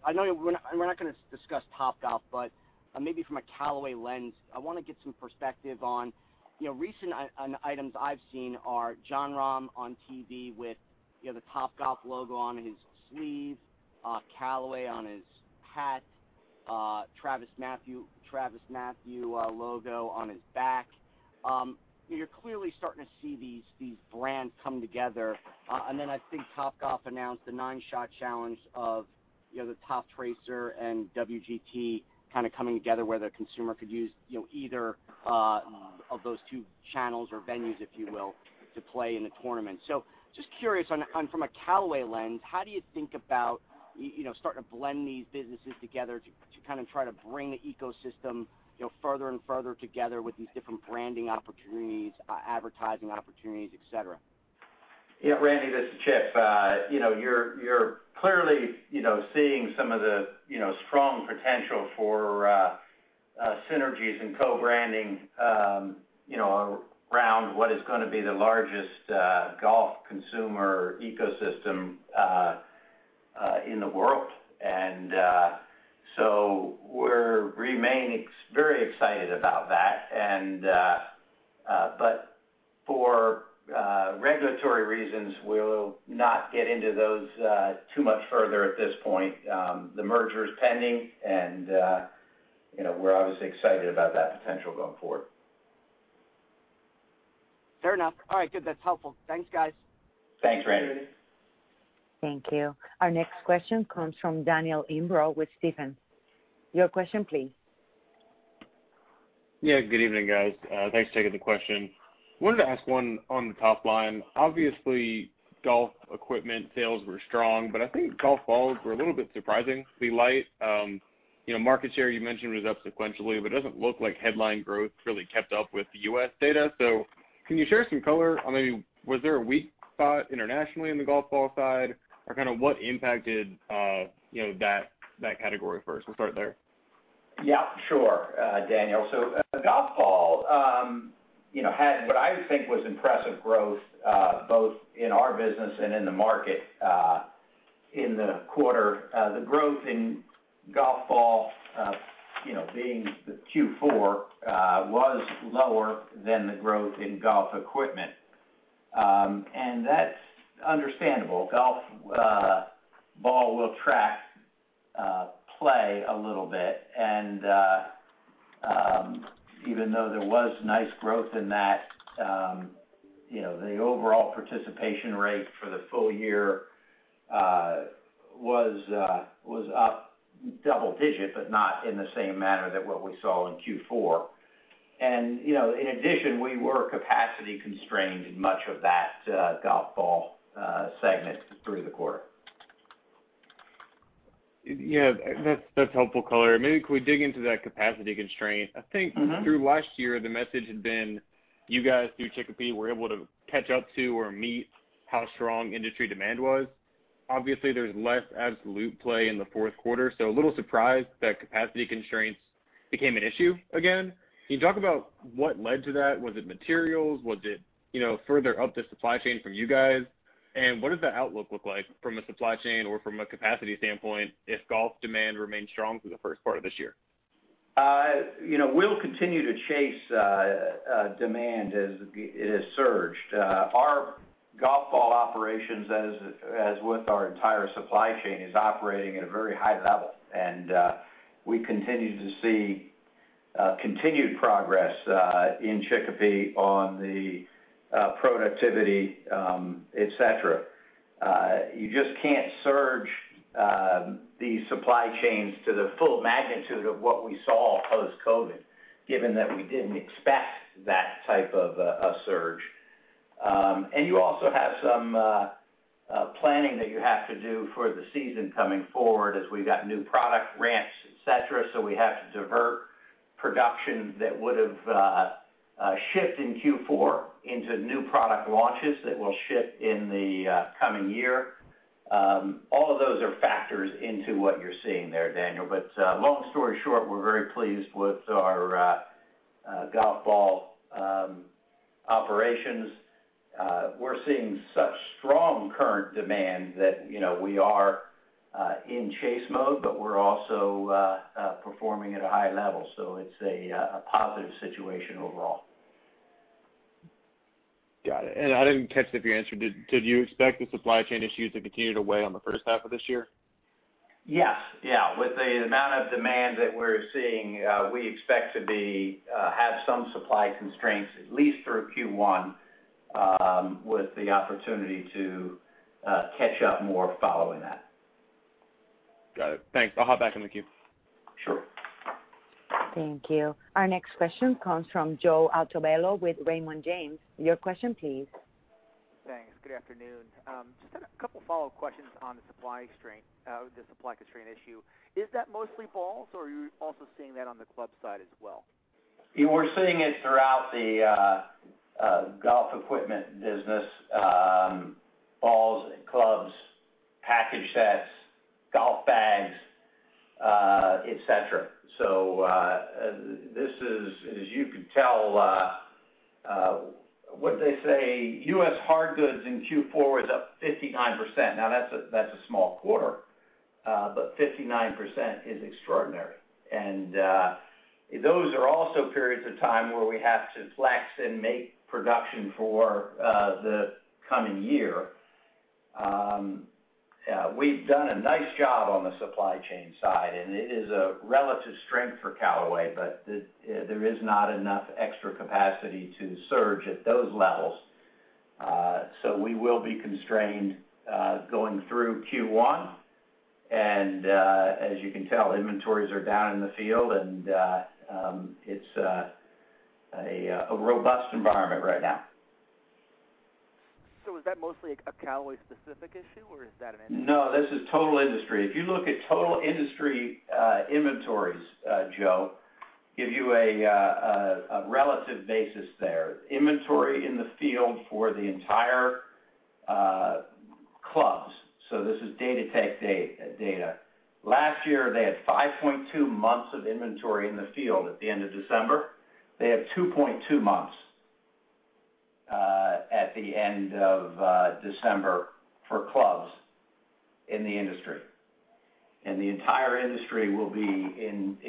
I know we're not going to discuss Topgolf, but maybe from a Callaway lens, I want to get some perspective on recent items I've seen are Jon Rahm on TV with the Topgolf logo on his sleeve, Callaway on his hat, TravisMathew logo on his back. You're clearly starting to see these brands come together. Then I think Topgolf announced the 9-Shot Challenge of the Toptracer and WGT kind of coming together where the consumer could use either of those two channels or venues, if you will, to play in the tournament. Just curious on from a Callaway lens, how do you think about starting to blend these businesses together to kind of try to bring the ecosystem further and further together with these different branding opportunities, advertising opportunities, et cetera? Yeah, Randy, this is Chip. You're clearly seeing some of the strong potential for synergies and co-branding around what is going to be the largest golf consumer ecosystem in the world. We remain very excited about that, but for regulatory reasons, we'll not get into those too much further at this point. The merger is pending, and we're obviously excited about that potential going forward. Fair enough. All right, good. That's helpful. Thanks, guys. Thanks, Randal. Thanks, Randal. Thank you. Our next question comes from Daniel Imbro with Stephens. Your question please. Yeah, good evening, guys. Thanks for taking the question. Wanted to ask one on the top line. Obviously, golf equipment sales were strong, but I think golf balls were a little bit surprisingly light. Market share you mentioned was up sequentially, but it doesn't look like headline growth really kept up with the U.S. data. Can you share some color on maybe was there a weak spot internationally in the golf ball side, or kind of what impacted that category first? We'll start there. Yeah, sure, Daniel. Golf ball had what I think was impressive growth both in our business and in the market in the quarter. The growth in golf ball, being the Q4, was lower than the growth in golf equipment, and that's understandable. Golf ball will track play a little bit, and even though there was nice growth in that, the overall participation rate for the full year was up double digit, but not in the same manner that what we saw in Q4. In addition, we were capacity constrained in much of that golf ball segment through the quarter. Yeah, that's helpful color. Maybe could we dig into that capacity constraint? I think through last year, the message had been you guys, through Chicopee, were able to catch up to or meet how strong industry demand was. Obviously, there's less absolute play in the fourth quarter, so a little surprised that capacity constraints became an issue again? Can you talk about what led to that? Was it materials? Was it further up the supply chain from you guys? What does the outlook look like from a supply chain or from a capacity standpoint if golf demand remains strong through the first part of this year? We'll continue to chase demand as it has surged. Our golf ball operations, as with our entire supply chain, is operating at a very high level, and we continue to see continued progress in Chicopee on the productivity, et cetera. You just can't surge the supply chains to the full magnitude of what we saw post-COVID, given that we didn't expect that type of a surge. You also have some planning that you have to do for the season coming forward as we've got new product ramps, et cetera, so we have to divert production that would've shipped in Q4 into new product launches that will ship in the coming year. All of those are factors into what you're seeing there, Daniel. Long story short, we're very pleased with our golf ball operations. We're seeing such strong current demand that we are in chase mode, but we're also performing at a high level. It's a positive situation overall. Got it. I didn't catch if you answered it, did you expect the supply chain issues to continue to weigh on the first half of this year? Yes. Yeah. With the amount of demand that we're seeing, we expect to have some supply constraints, at least through Q1, with the opportunity to catch up more following that. Got it. Thanks. I'll hop back in the queue. Sure. Thank you. Our next question comes from Joe Altobello with Raymond James. Your question please. Thanks. Good afternoon. Just have a couple follow-up questions on the supply constraint issue. Is that mostly balls, or are you also seeing that on the club side as well? We're seeing it throughout the golf equipment business, balls, clubs, package sets, golf bags, et cetera. This is, as you could tell, what'd they say, U.S. hard goods in Q4 was up 59%. That's a small quarter, 59% is extraordinary. Those are also periods of time where we have to flex and make production for the coming year. We've done a nice job on the supply chain side, it is a relative strength for Callaway, there is not enough extra capacity to surge at those levels. We will be constrained going through Q1, as you can tell, inventories are down in the field, it's a robust environment right now. Is that mostly a Callaway specific issue, or is that an industry? No, this is total industry. If you look at total industry inventories, Joe, give you a relative basis there. Inventory in the field for the entire clubs, so this is Golf Datatech data. Last year, they had 5.2 months of inventory in the field at the end of December. They have 2.2 months at the end of December for clubs in the industry. The entire industry will be in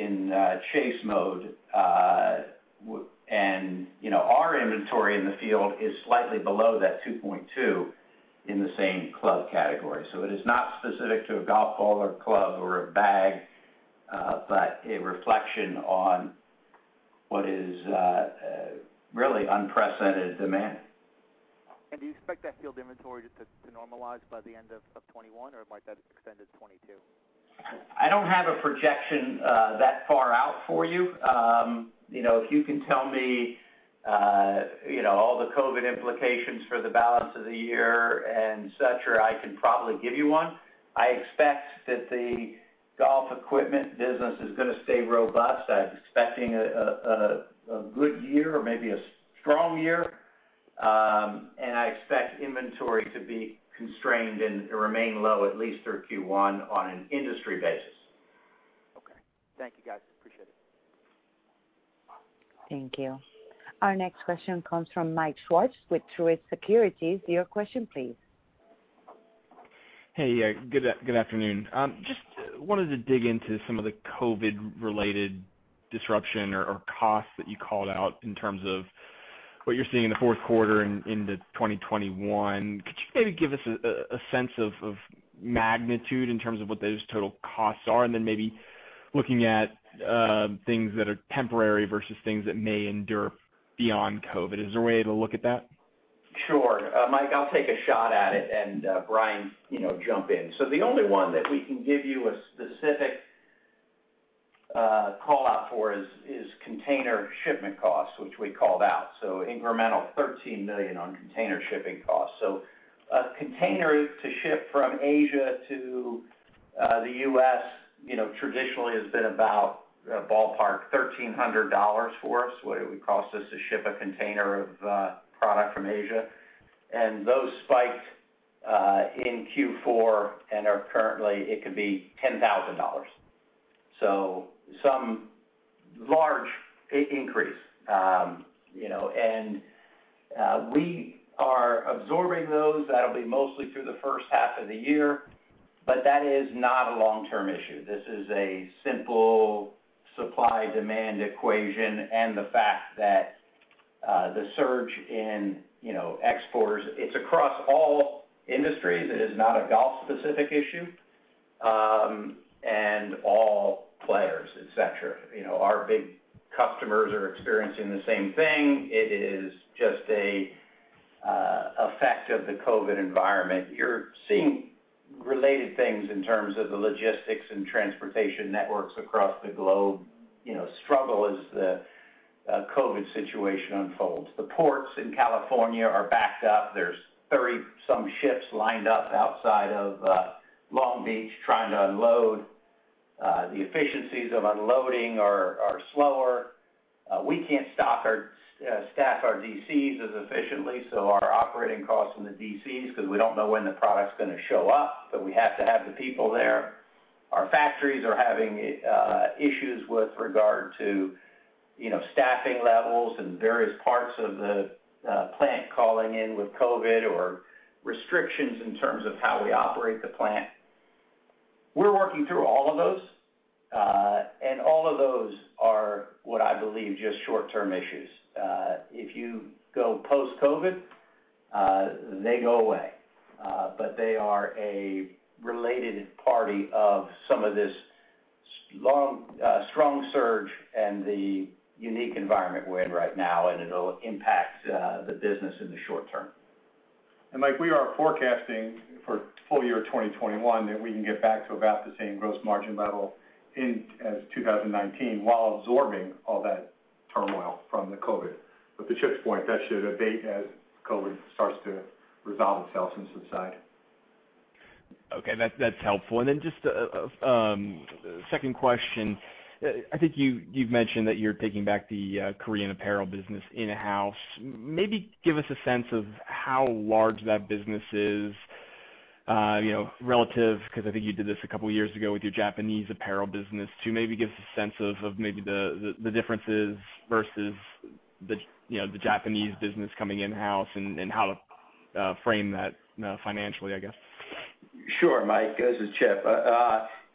chase mode, and our inventory in the field is slightly below that 2.2 in the same club category. It is not specific to a golf ball or club or a bag, but a reflection on what is really unprecedented demand. Do you expect that field inventory to normalize by the end of 2021, or might that extend to 2022? I don't have a projection that far out for you. If you can tell me all the COVID implications for the balance of the year and such, I can probably give you one. I expect that the golf equipment business is going to stay robust. I'm expecting a good year or maybe a strong year, and I expect inventory to be constrained and remain low at least through Q1 on an industry basis. Okay. Thank you, guys. Appreciate it. Thank you. Our next question comes from Michael Swartz with Truist Securities. Your question please. Hey. Good afternoon. Just wanted to dig into some of the COVID-related disruption or costs that you called out in terms of what you're seeing in the fourth quarter into 2021. Could you maybe give us a sense of magnitude in terms of what those total costs are? Then maybe looking at things that are temporary versus things that may endure beyond COVID, is there a way to look at that? Sure. Mike, I'll take a shot at it and Brian, jump in. The only one that we can give you a specific call-out for is container shipment costs, which we called out, so incremental $13 million on container shipping costs. A container to ship from Asia to the U.S. traditionally has been about, ballpark, $1,300 for us. What it would cost us to ship a container of product from Asia. Those spiked in Q4, and currently, it could be $10,000. Some large increase. We are absorbing those. That'll be mostly through the first half of the year, but that is not a long-term issue. This is a simple supply/demand equation, and the fact that the surge in exports, it's across all industries. It is not a golf-specific issue, and all players, et cetera. Our big customers are experiencing the same thing. It is just a effect of the COVID environment. You're seeing related things in terms of the logistics and transportation networks across the globe struggle as the COVID situation unfolds. The ports in California are backed up. There's 30-some ships lined up outside of Long Beach trying to unload. The efficiencies of unloading are slower. We can't staff our DCs as efficiently, so our operating costs in the DCs, because we don't know when the product's going to show up, but we have to have the people there. Our factories are having issues with regard to staffing levels and various parts of the plant calling in with COVID, or restrictions in terms of how we operate the plant. We're working through all of those, and all of those are what I believe, just short-term issues. If you go post-COVID, they go away. They are a related party of some of this strong surge and the unique environment we're in right now, and it'll impact the business in the short term. Mike, we are forecasting for full year 2021 that we can get back to about the same gross margin level as 2019 while absorbing all that turmoil from the COVID. To Chip's point, that should abate as COVID starts to resolve itself and subside. Okay, that's helpful. Then just a second question. I think you've mentioned that you're taking back the Korean apparel business in-house. Maybe give us a sense of how large that business is relative, because I think you did this a couple of years ago with your Japanese apparel business, to maybe give us a sense of the differences versus the Japanese business coming in-house and how to frame that financially, I guess. Sure, Mike, this is Chip.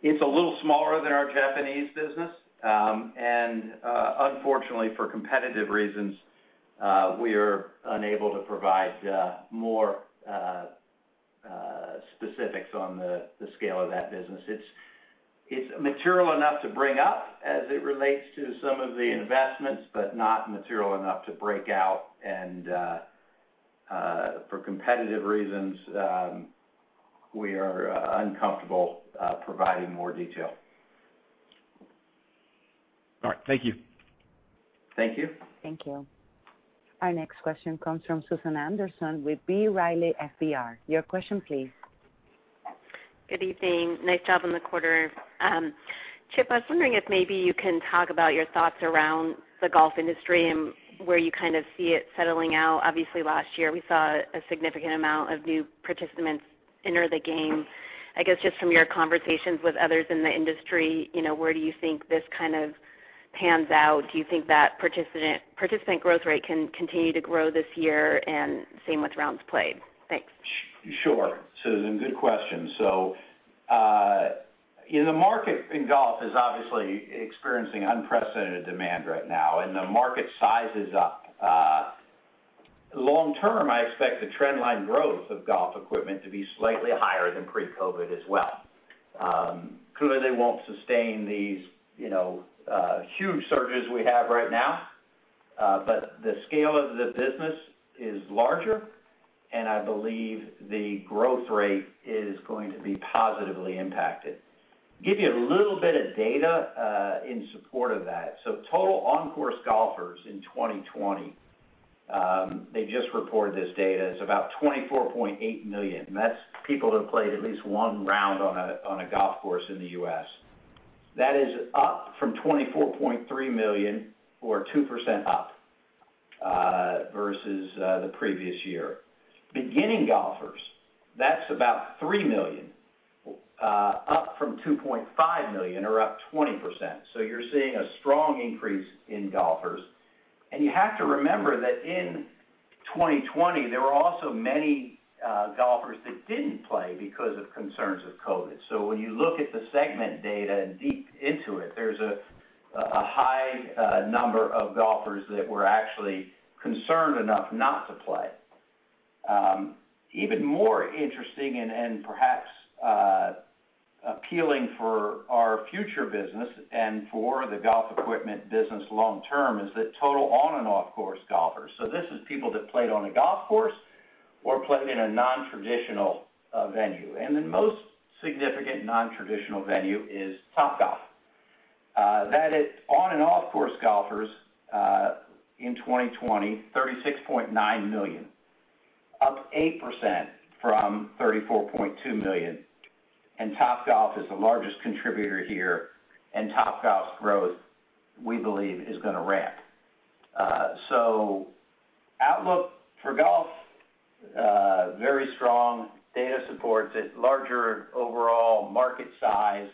It's a little smaller than our Japanese business, and unfortunately, for competitive reasons, we are unable to provide more specifics on the scale of that business. It's material enough to bring up as it relates to some of the investments, but not material enough to break out, and for competitive reasons, we are uncomfortable providing more detail. All right. Thank you. Thank you. Thank you. Our next question comes from Susan Anderson with B. Riley FBR. Your question, please. Good evening. Nice job on the quarter. Chip, I was wondering if maybe you can talk about your thoughts around the golf industry and where you kind of see it settling out. Obviously, last year, we saw a significant amount of new participants enter the game. I guess just from your conversations with others in the industry, where do you think this kind of pans out? Do you think that participant growth rate can continue to grow this year, and same with rounds played? Thanks. Sure, Susan, good question. The market in golf is obviously experiencing unprecedented demand right now, and the market size is up. Long term, I expect the trend line growth of golf equipment to be slightly higher than pre-COVID as well. Clearly, they won't sustain these huge surges we have right now, but the scale of the business is larger, and I believe the growth rate is going to be positively impacted. Give you a little bit of data in support of that. Total on-course golfers in 2020, they just reported this data, is about $24.8 million. That's people that have played at least one round on a golf course in the U.S. That is up from $24.3 million or 2% up versus the previous year. Beginning golfers, that's about $3 million, up from $2.5 million or up 20%. You're seeing a strong increase in golfers, and you have to remember that in 2020, there were also many golfers that didn't play because of concerns with COVID. When you look at the segment data and deep into it, there's a high number of golfers that were actually concerned enough not to play. Even more interesting and perhaps appealing for our future business and for the golf equipment business long term is the total on and off course golfers. This is people that played on a golf course or played in a non-traditional venue. The most significant non-traditional venue is Topgolf. That is on and off course golfers in 2020, 36.9 million, up 8% from 34.2 million, and Topgolf is the largest contributor here, and Topgolf's growth, we believe, is going to ramp. Outlook for golf, very strong. Data supports it. Larger overall market size,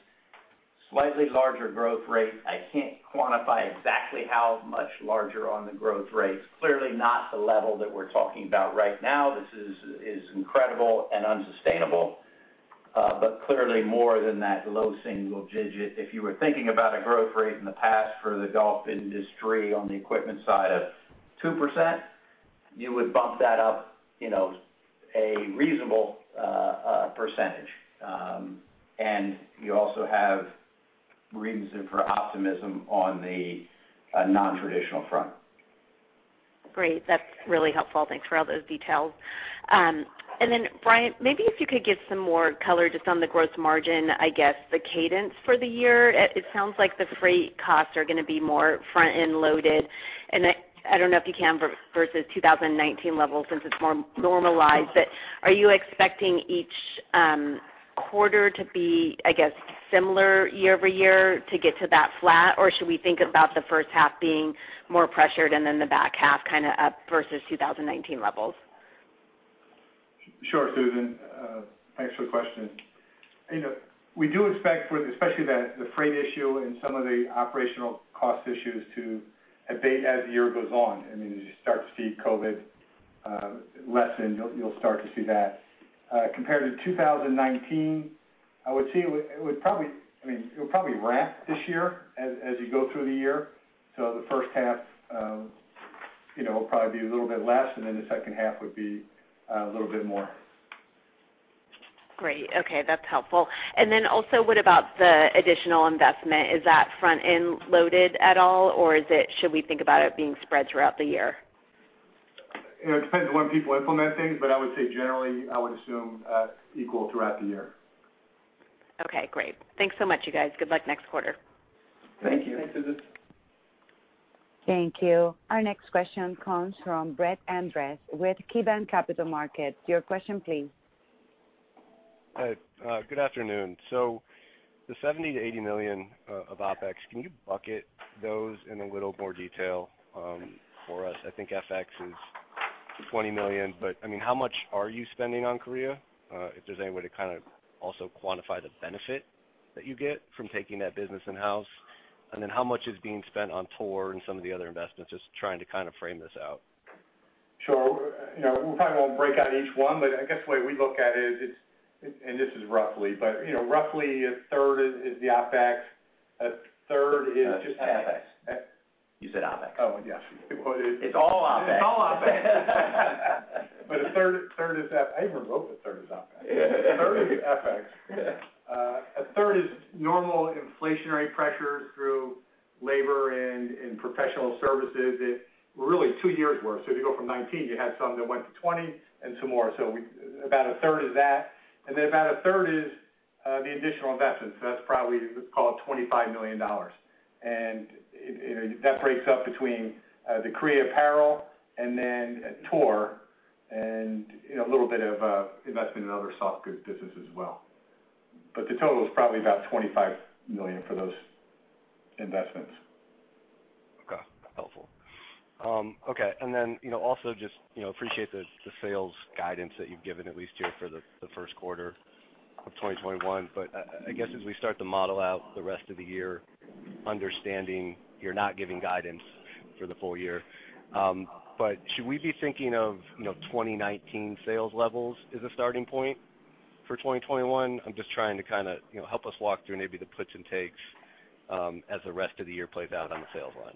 slightly larger growth rate. I can't quantify exactly how much larger on the growth rate. It's clearly not the level that we're talking about right now. This is incredible and unsustainable, but clearly more than that low single digit. If you were thinking about a growth rate in the past for the golf industry on the equipment side of 2%, you would bump that up a reasonable percentage. You also have reason for optimism on the non-traditional front. Great. That's really helpful. Thanks for all those details. Then Brian, maybe if you could give some more color just on the gross margin, I guess the cadence for the year. It sounds like the freight costs are going to be more front-end loaded, and I don't know if you can versus 2019 levels since it's more normalized, but are you expecting each quarter to be, I guess, similar year-over-year to get to that flat, or should we think about the first half being more pressured and then the back half kind of up versus 2019 levels? Sure, Susan. Thanks for the question. We do expect, especially the freight issue and some of the operational cost issues to abate as the year goes on. As you start to see COVID lessen, you will start to see that. Compared to 2019, it would probably ramp this year as you go through the year. The first half will probably be a little bit less, and then the second half would be a little bit more. Great. Okay, that's helpful. What about the additional investment? Is that front-end loaded at all, or should we think about it being spread throughout the year? It depends on when people implement things, but I would say generally, I would assume equal throughout the year. Okay, great. Thanks so much, you guys. Good luck next quarter. Thank you, Susan. Thanks. Thank you. Our next question comes from Brett Andress with KeyBanc Capital Markets. Your question please. Hi. Good afternoon. The $70 million-$80 million of OpEx, can you bucket those in a little more detail for us? I think FX is $20 million, but how much are you spending on Korea? If there's any way to kind of also quantify the benefit that you get from taking that business in-house, and then how much is being spent on tour and some of the other investments, just trying to kind of frame this out. Sure. We probably won't break out each one, but I guess the way we look at it is, this is roughly, but roughly a third is the OpEx. A third is- Just FX. You said OpEx. Oh, yeah. It's all OpEx. It's all OpEx. A third is FX. I even wrote that a third is OpEx. A third is FX. A third is normal inflationary pressures through labor and professional services that were really two years' worth. If you go from 2019, you had some that went to 2020, and some more. About a third is that, and then about a third is the additional investments. That's probably, let's call it $25 million. That breaks up between the Korea apparel and then tour, and a little bit of investment in other soft goods business as well. The total is probably about $25 million for those investments. Okay. Helpful. Okay. Also just appreciate the sales guidance that you've given at least here for the first quarter of 2021. I guess as we start to model out the rest of the year, understanding you're not giving guidance for the full year, but should we be thinking of 2019 sales levels as a starting point for 2021? I'm just trying to kind of, help us walk through maybe the puts and takes as the rest of the year plays out on the sales line.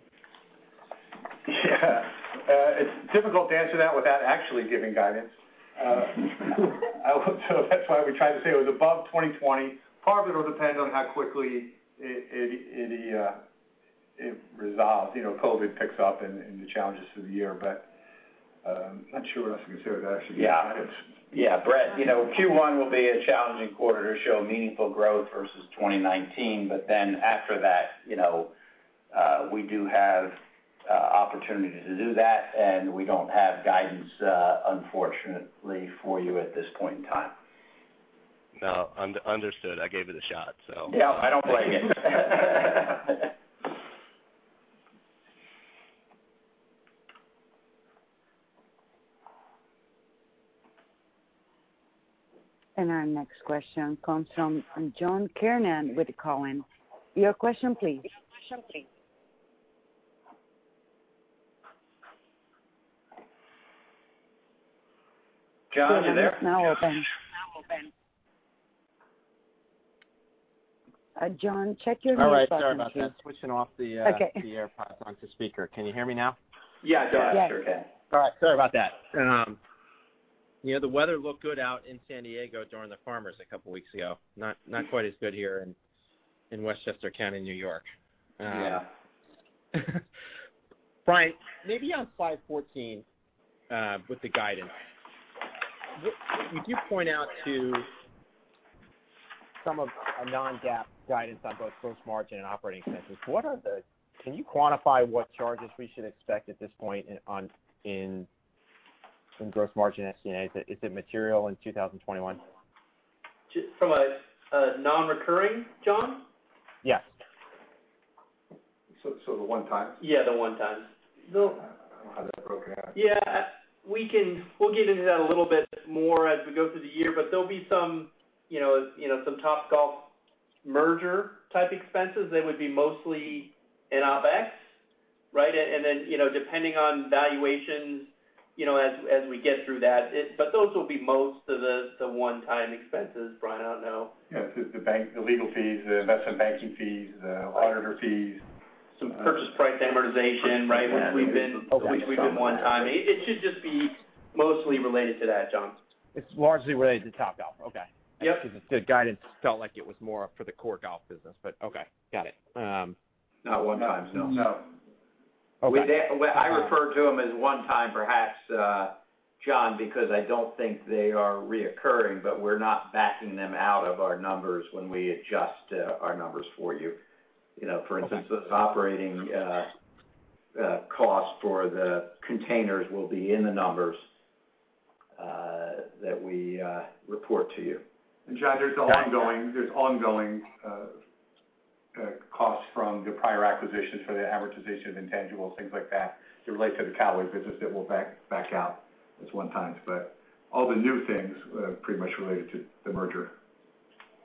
Yeah. It's difficult to answer that without actually giving guidance. That's why we tried to say it was above 2020. Part of it will depend on how quickly it resolves. COVID picks up and the challenges through the year. I'm not sure what else we can say without actually giving guidance. Yeah. Brett, Q1 will be a challenging quarter to show meaningful growth versus 2019, but then after that, we do have opportunity to do that, and we don't have guidance, unfortunately for you at this point in time. No, understood. I gave it a shot. Yeah, I don't blame you. Our next question comes from John Kernan with Cowen. Your question please. John, are you there? Your line is now open. John, check your mute button please. All right. Sorry about that. Okay Pushing up the AirPods onto speaker. Can you hear me now? Yeah, go ahead. Sure can. Yes. All right. Sorry about that. The weather looked good out in San Diego during the Farmers a couple of weeks ago. Not quite as good here in Westchester County, New York. Yeah. Brian, maybe on slide 14, with the guidance, you do point out to some of a non-GAAP guidance on both gross margin and operating expenses. Can you quantify what charges we should expect at this point in gross margin SG&A, is it material in 2021? From a non-recurring, John? Yes. The one-time? Yeah, the one-time. I don't have that broken out. Yeah. We'll get into that a little bit more as we go through the year, but there'll be some Topgolf merger type expenses that would be mostly in OpEx, right? Depending on valuations as we get through that, but those will be most of the one-time expenses, Brian. I don't know. Yeah. The bank, the legal fees, the investment banking fees, the auditor fees. Some purchase price amortization, right? Purchase price amortization. Which we've been one time. It should just be mostly related to that, John. It's largely related to Topgolf. Okay. Yep. The guidance felt like it was more for the core golf business, but okay. Got it. Not one-time. No. Okay. I refer to them as one-time perhaps, John, because I don't think they are recurring, but we're not backing them out of our numbers when we adjust our numbers for you. For instance, those operating costs for the containers will be in the numbers that we report to you. John, there's ongoing costs from the prior acquisitions for the amortization of intangibles, things like that relate to the Callaway business that we'll back out as one-times. All the new things, pretty much related to the merger.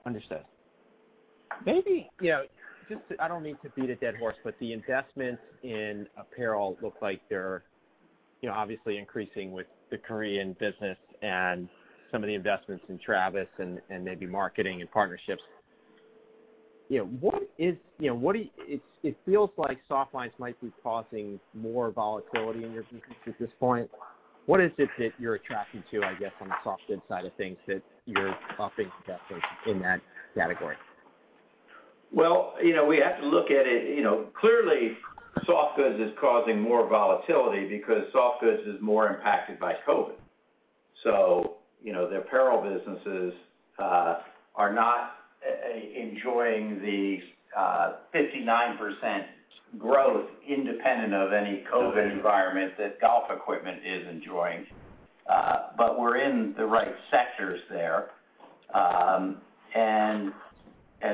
Understood. Maybe, I don't mean to beat a dead horse, the investments in apparel look like they're obviously increasing with the Korean business and some of the investments in Travis and maybe marketing and partnerships. It feels like softlines might be causing more volatility in your business at this point. What is it that you're attracted to, I guess, on the softgoods side of things that you're upping investment in that category? We have to look at it, clearly softgoods is causing more volatility because softgoods is more impacted by COVID. The apparel businesses are not enjoying the 59% growth independent of any COVID environment that golf equipment is enjoying. We're in the right sectors there. As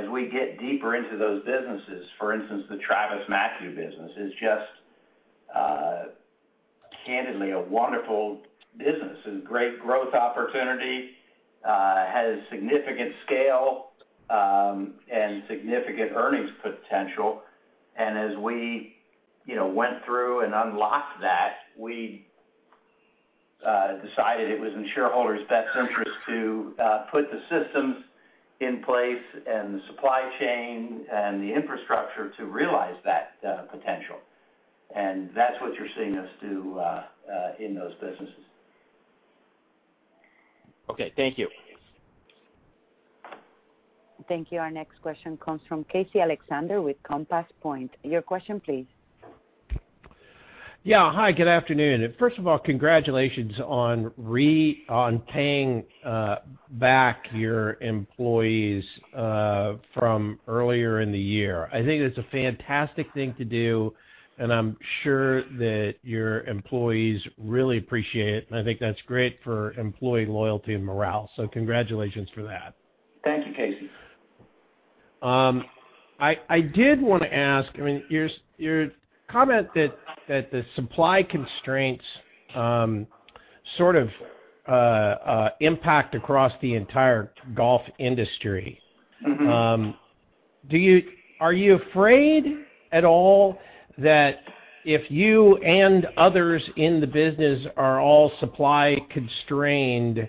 we get deeper into those businesses, for instance, the TravisMathew business is just, candidly, a wonderful business. A great growth opportunity, has significant scale, and significant earnings potential. As we went through and unlocked that, we decided it was in shareholders' best interest to put the systems in place and the supply chain and the infrastructure to realize that potential. That's what you're seeing us do in those businesses. Okay. Thank you. Thank you. Our next question comes from Casey Alexander with Compass Point. Your question please. Yeah. Hi, good afternoon. First of all, congratulations on paying back your employees from earlier in the year. I think that's a fantastic thing to do. I'm sure that your employees really appreciate it. I think that's great for employee loyalty and morale. Congratulations for that. Thank you, Casey. I did want to ask, your comment that the supply constraints sort of impact across the entire golf industry. Are you afraid at all that if you and others in the business are all supply constrained,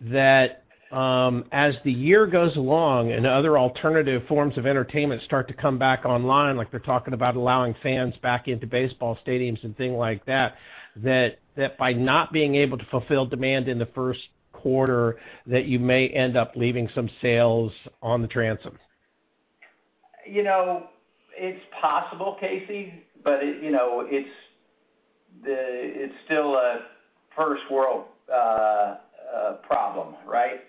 that as the year goes along and other alternative forms of entertainment start to come back online, like they're talking about allowing fans back into baseball stadiums and thing like that by not being able to fulfill demand in the first quarter, that you may end up leaving some sales on the transom? It's possible, Casey. It's still a first-world problem, right?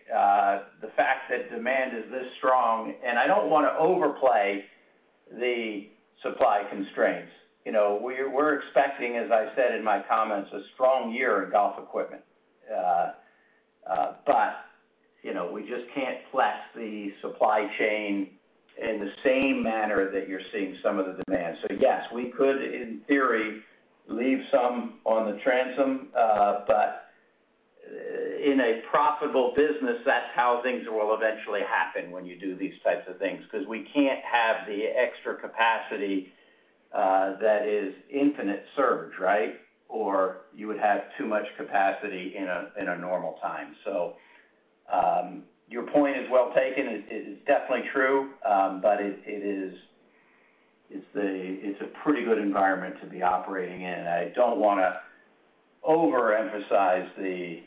The fact that demand is this strong, I don't want to overplay the supply constraints. We're expecting, as I said in my comments, a strong year in golf equipment. We just can't flex the supply chain in the same manner that you're seeing some of the demand. Yes, we could, in theory, leave some on the transom. In a profitable business, that's how things will eventually happen when you do these types of things, because we can't have the extra capacity that is infinite surge, right, or you would have too much capacity in a normal time. Your point is well taken. It is definitely true. It's a pretty good environment to be operating in. I don't want to overemphasize the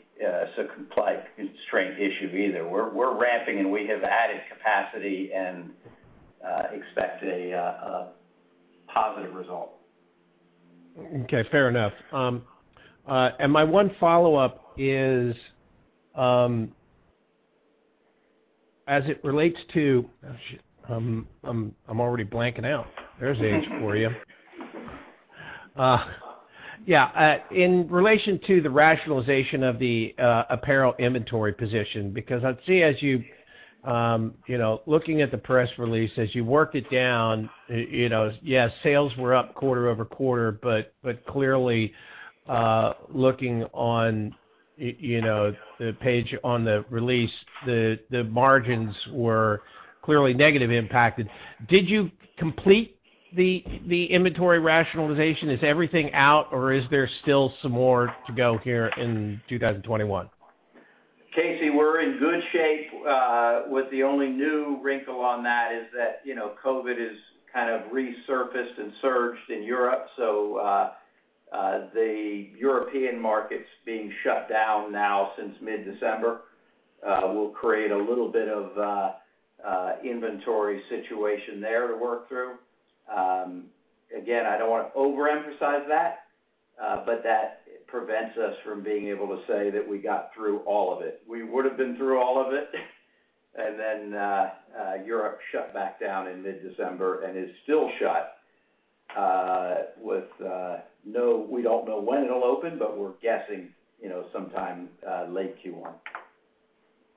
supply constraint issue either. We're ramping, and we have added capacity and expect a positive result. Okay. Fair enough. My one follow-up is. As it relates to, oh, shoot. I'm already blanking out. There's age for you. Yeah, in relation to the rationalization of the apparel inventory position, because I'd see as you, looking at the press release, as you worked it down, yes, sales were up quarter-over-quarter, but clearly, looking on the page on the release, the margins were clearly negative impacted. Did you complete the inventory rationalization? Is everything out, or is there still some more to go here in 2021? Casey, we're in good shape, with the only new wrinkle on that is that COVID has kind of resurfaced and surged in Europe. The European markets being shut down now since mid-December will create a little bit of inventory situation there to work through. Again, I don't want to overemphasize that, but that prevents us from being able to say that we got through all of it. We would've been through all of it, and then Europe shut back down in mid-December and is still shut. We don't know when it'll open, but we're guessing sometime late Q1.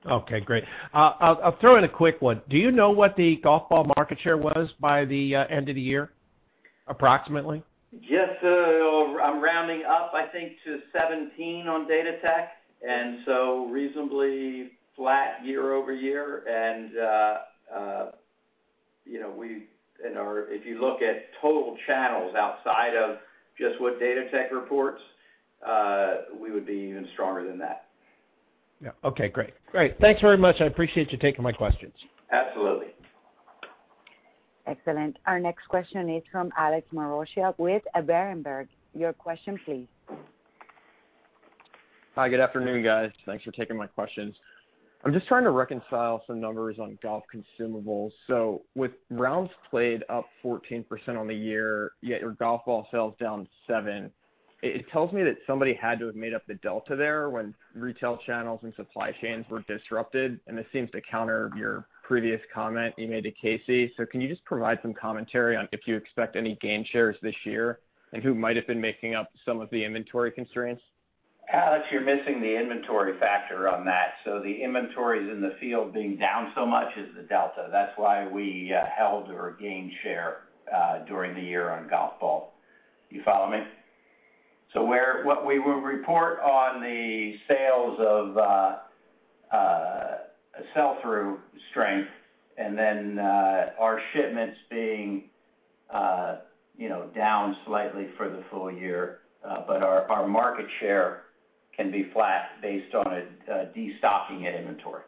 Okay, great. I'll throw in a quick one. Do you know what the golf ball market share was by the end of the year, approximately? Yes. I'm rounding up, I think, to 17 on Golf Datatech, reasonably flat year-over-year. If you look at total channels outside of just what Golf Datatech reports, we would be even stronger than that. Yeah. Okay, great. All right, thanks very much. I appreciate you taking my questions. Absolutely. Excellent. Our next question is from Alex Maroccia with Berenberg. Your question please. Hi, good afternoon, guys. Thanks for taking my questions. I'm just trying to reconcile some numbers on golf consumables. With rounds played up 14% on the year, yet your golf ball sales down seven, it tells me that somebody had to have made up the delta there when retail channels and supply chains were disrupted, and this seems to counter your previous comment you made to Casey. Can you just provide some commentary on if you expect any gain shares this year, and who might've been making up some of the inventory constraints? Alex, you're missing the inventory factor on that. The inventories in the field being down so much is the delta. That's why we held or gained share during the year on golf ball. You follow me? What we will report on the sales of sell-through strength, and then our shipments being down slightly for the full year, but our market share can be flat based on a de-stocking at inventory.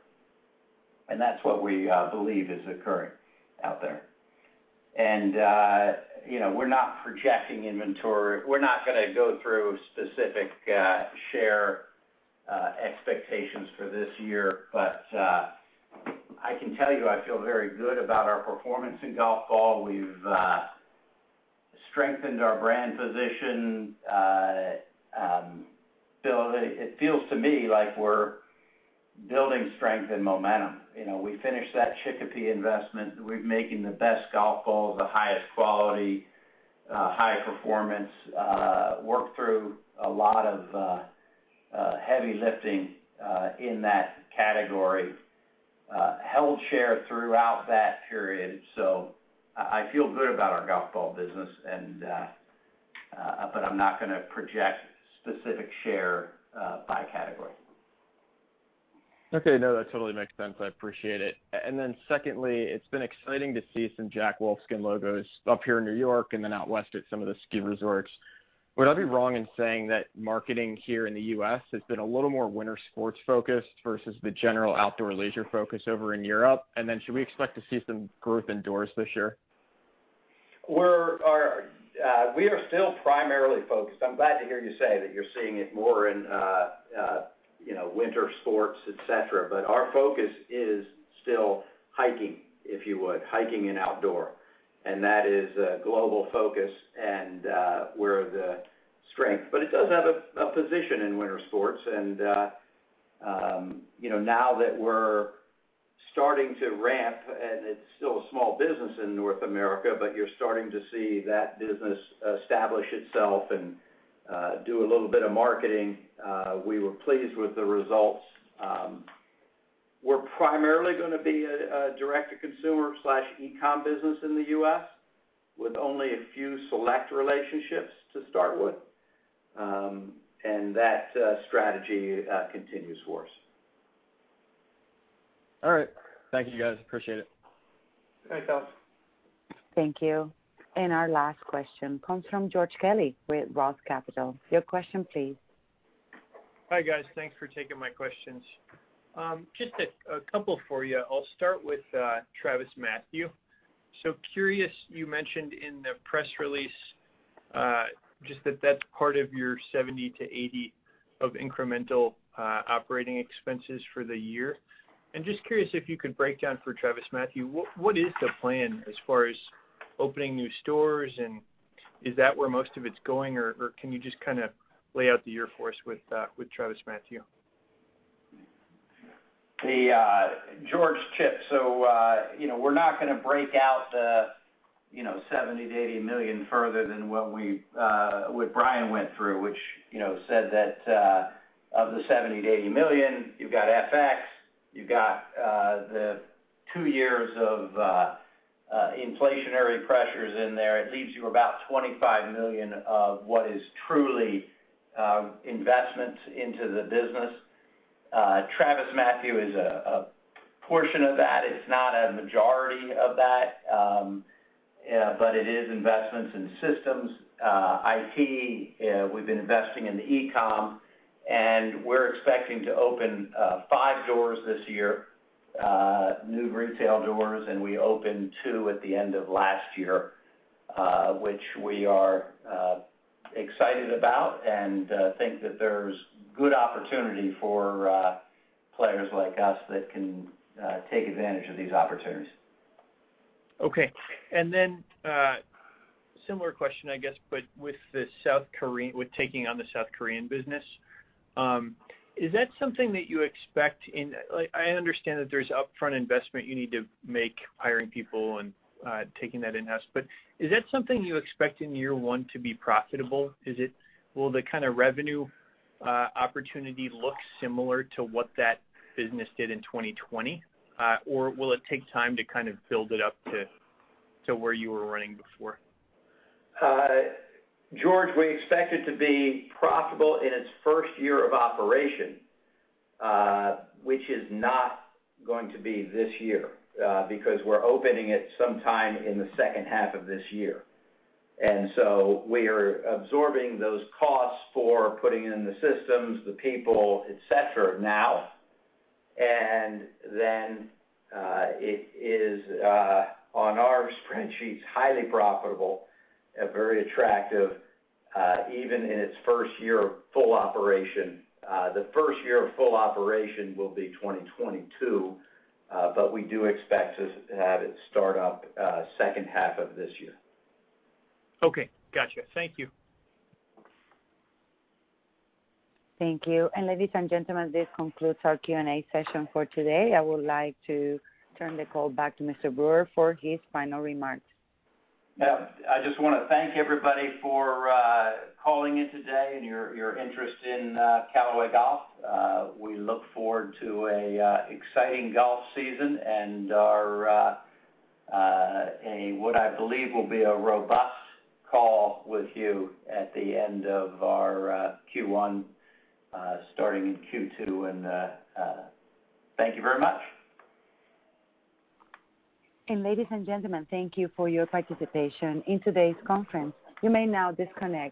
That's what we believe is occurring out there. We're not projecting inventory. We're not gonna go through specific share expectations for this year. I can tell you, I feel very good about our performance in golf ball. We've strengthened our brand position. It feels to me like we're building strength and momentum. We finished that Chicopee investment. We're making the best golf ball with the highest quality, high performance, worked through a lot of heavy lifting in that category. Held share throughout that period. I feel good about our golf ball business, but I'm not gonna project specific share by category. Okay. No, that totally makes sense. I appreciate it. Secondly, it's been exciting to see some Jack Wolfskin logos up here in New York and then out west at some of the ski resorts. Would I be wrong in saying that marketing here in the U.S. has been a little more winter sports focused versus the general outdoor leisure focus over in Europe? Should we expect to see some growth indoors this year? We are still primarily focused I'm glad to hear you say that you're seeing it more in winter sports, et cetera. Our focus is still hiking, if you would, hiking and outdoor. That is a global focus, and where the strength. It does have a position in winter sports, and now that we're starting to ramp, and it's still a small business in North America, but you're starting to see that business establish itself and do a little bit of marketing. We were pleased with the results. We're primarily gonna be a direct-to-consumer/e-com business in the U.S. with only a few select relationships to start with. That strategy continues for us. All right. Thank you, guys. Appreciate it. Thanks, Alex. Thank you. Our last question comes from George Kelly with ROTH Capital. Your question please. Hi, guys. Thanks for taking my questions. Just a couple for you. I'll start with TravisMathew. Curious, you mentioned in the press release, just that that's part of your 70-80 of incremental operating expenses for the year. Just curious if you could break down for TravisMathew, what is the plan as far as opening new stores and is that where most of it's going or can you just kind of lay out the year for us with TravisMathew? George, Chip. We're not going to break out the $70 million-$80 million further than what Brian went through, which said that of the $70 million-$80 million, you've got FX, you've got the two years of inflationary pressures in there. It leaves you about $25 million of what is truly investment into the business. TravisMathew is a portion of that. It's not a majority of that. It is investments in systems, IT, we've been investing in the e-com, and we're expecting to open five stores this year, new retail stores, and we opened two at the end of last year, which we are excited about and think that there's good opportunity for players like us that can take advantage of these opportunities. Okay. A similar question, I guess, but with taking on the South Korean business, is that something that you expect? I understand that there's upfront investment you need to make hiring people and taking that in-house, but is that something you expect in year one to be profitable? Will the kind of revenue opportunity look similar to what that business did in 2020? Will it take time to kind of build it up to where you were running before? George, we expect it to be profitable in its first year of operation, which is not going to be this year because we're opening it sometime in the second half of this year. So we're absorbing those costs for putting in the systems, the people, et cetera now. Then, it is, on our spreadsheets, highly profitable and very attractive, even in its first year of full operation. The first year of full operation will be 2022. We do expect to have it start up second half of this year. Okay, got you. Thank you. Thank you. Ladies and gentlemen, this concludes our Q&A session for today. I would like to turn the call back to Mr. Brewer for his final remarks. I just want to thank everybody for calling in today and your interest in Callaway Golf. We look forward to an exciting golf season and what I believe will be a robust call with you at the end of our Q1, starting in Q2. Thank you very much. Ladies and gentlemen, thank you for your participation in today's conference. You may now disconnect.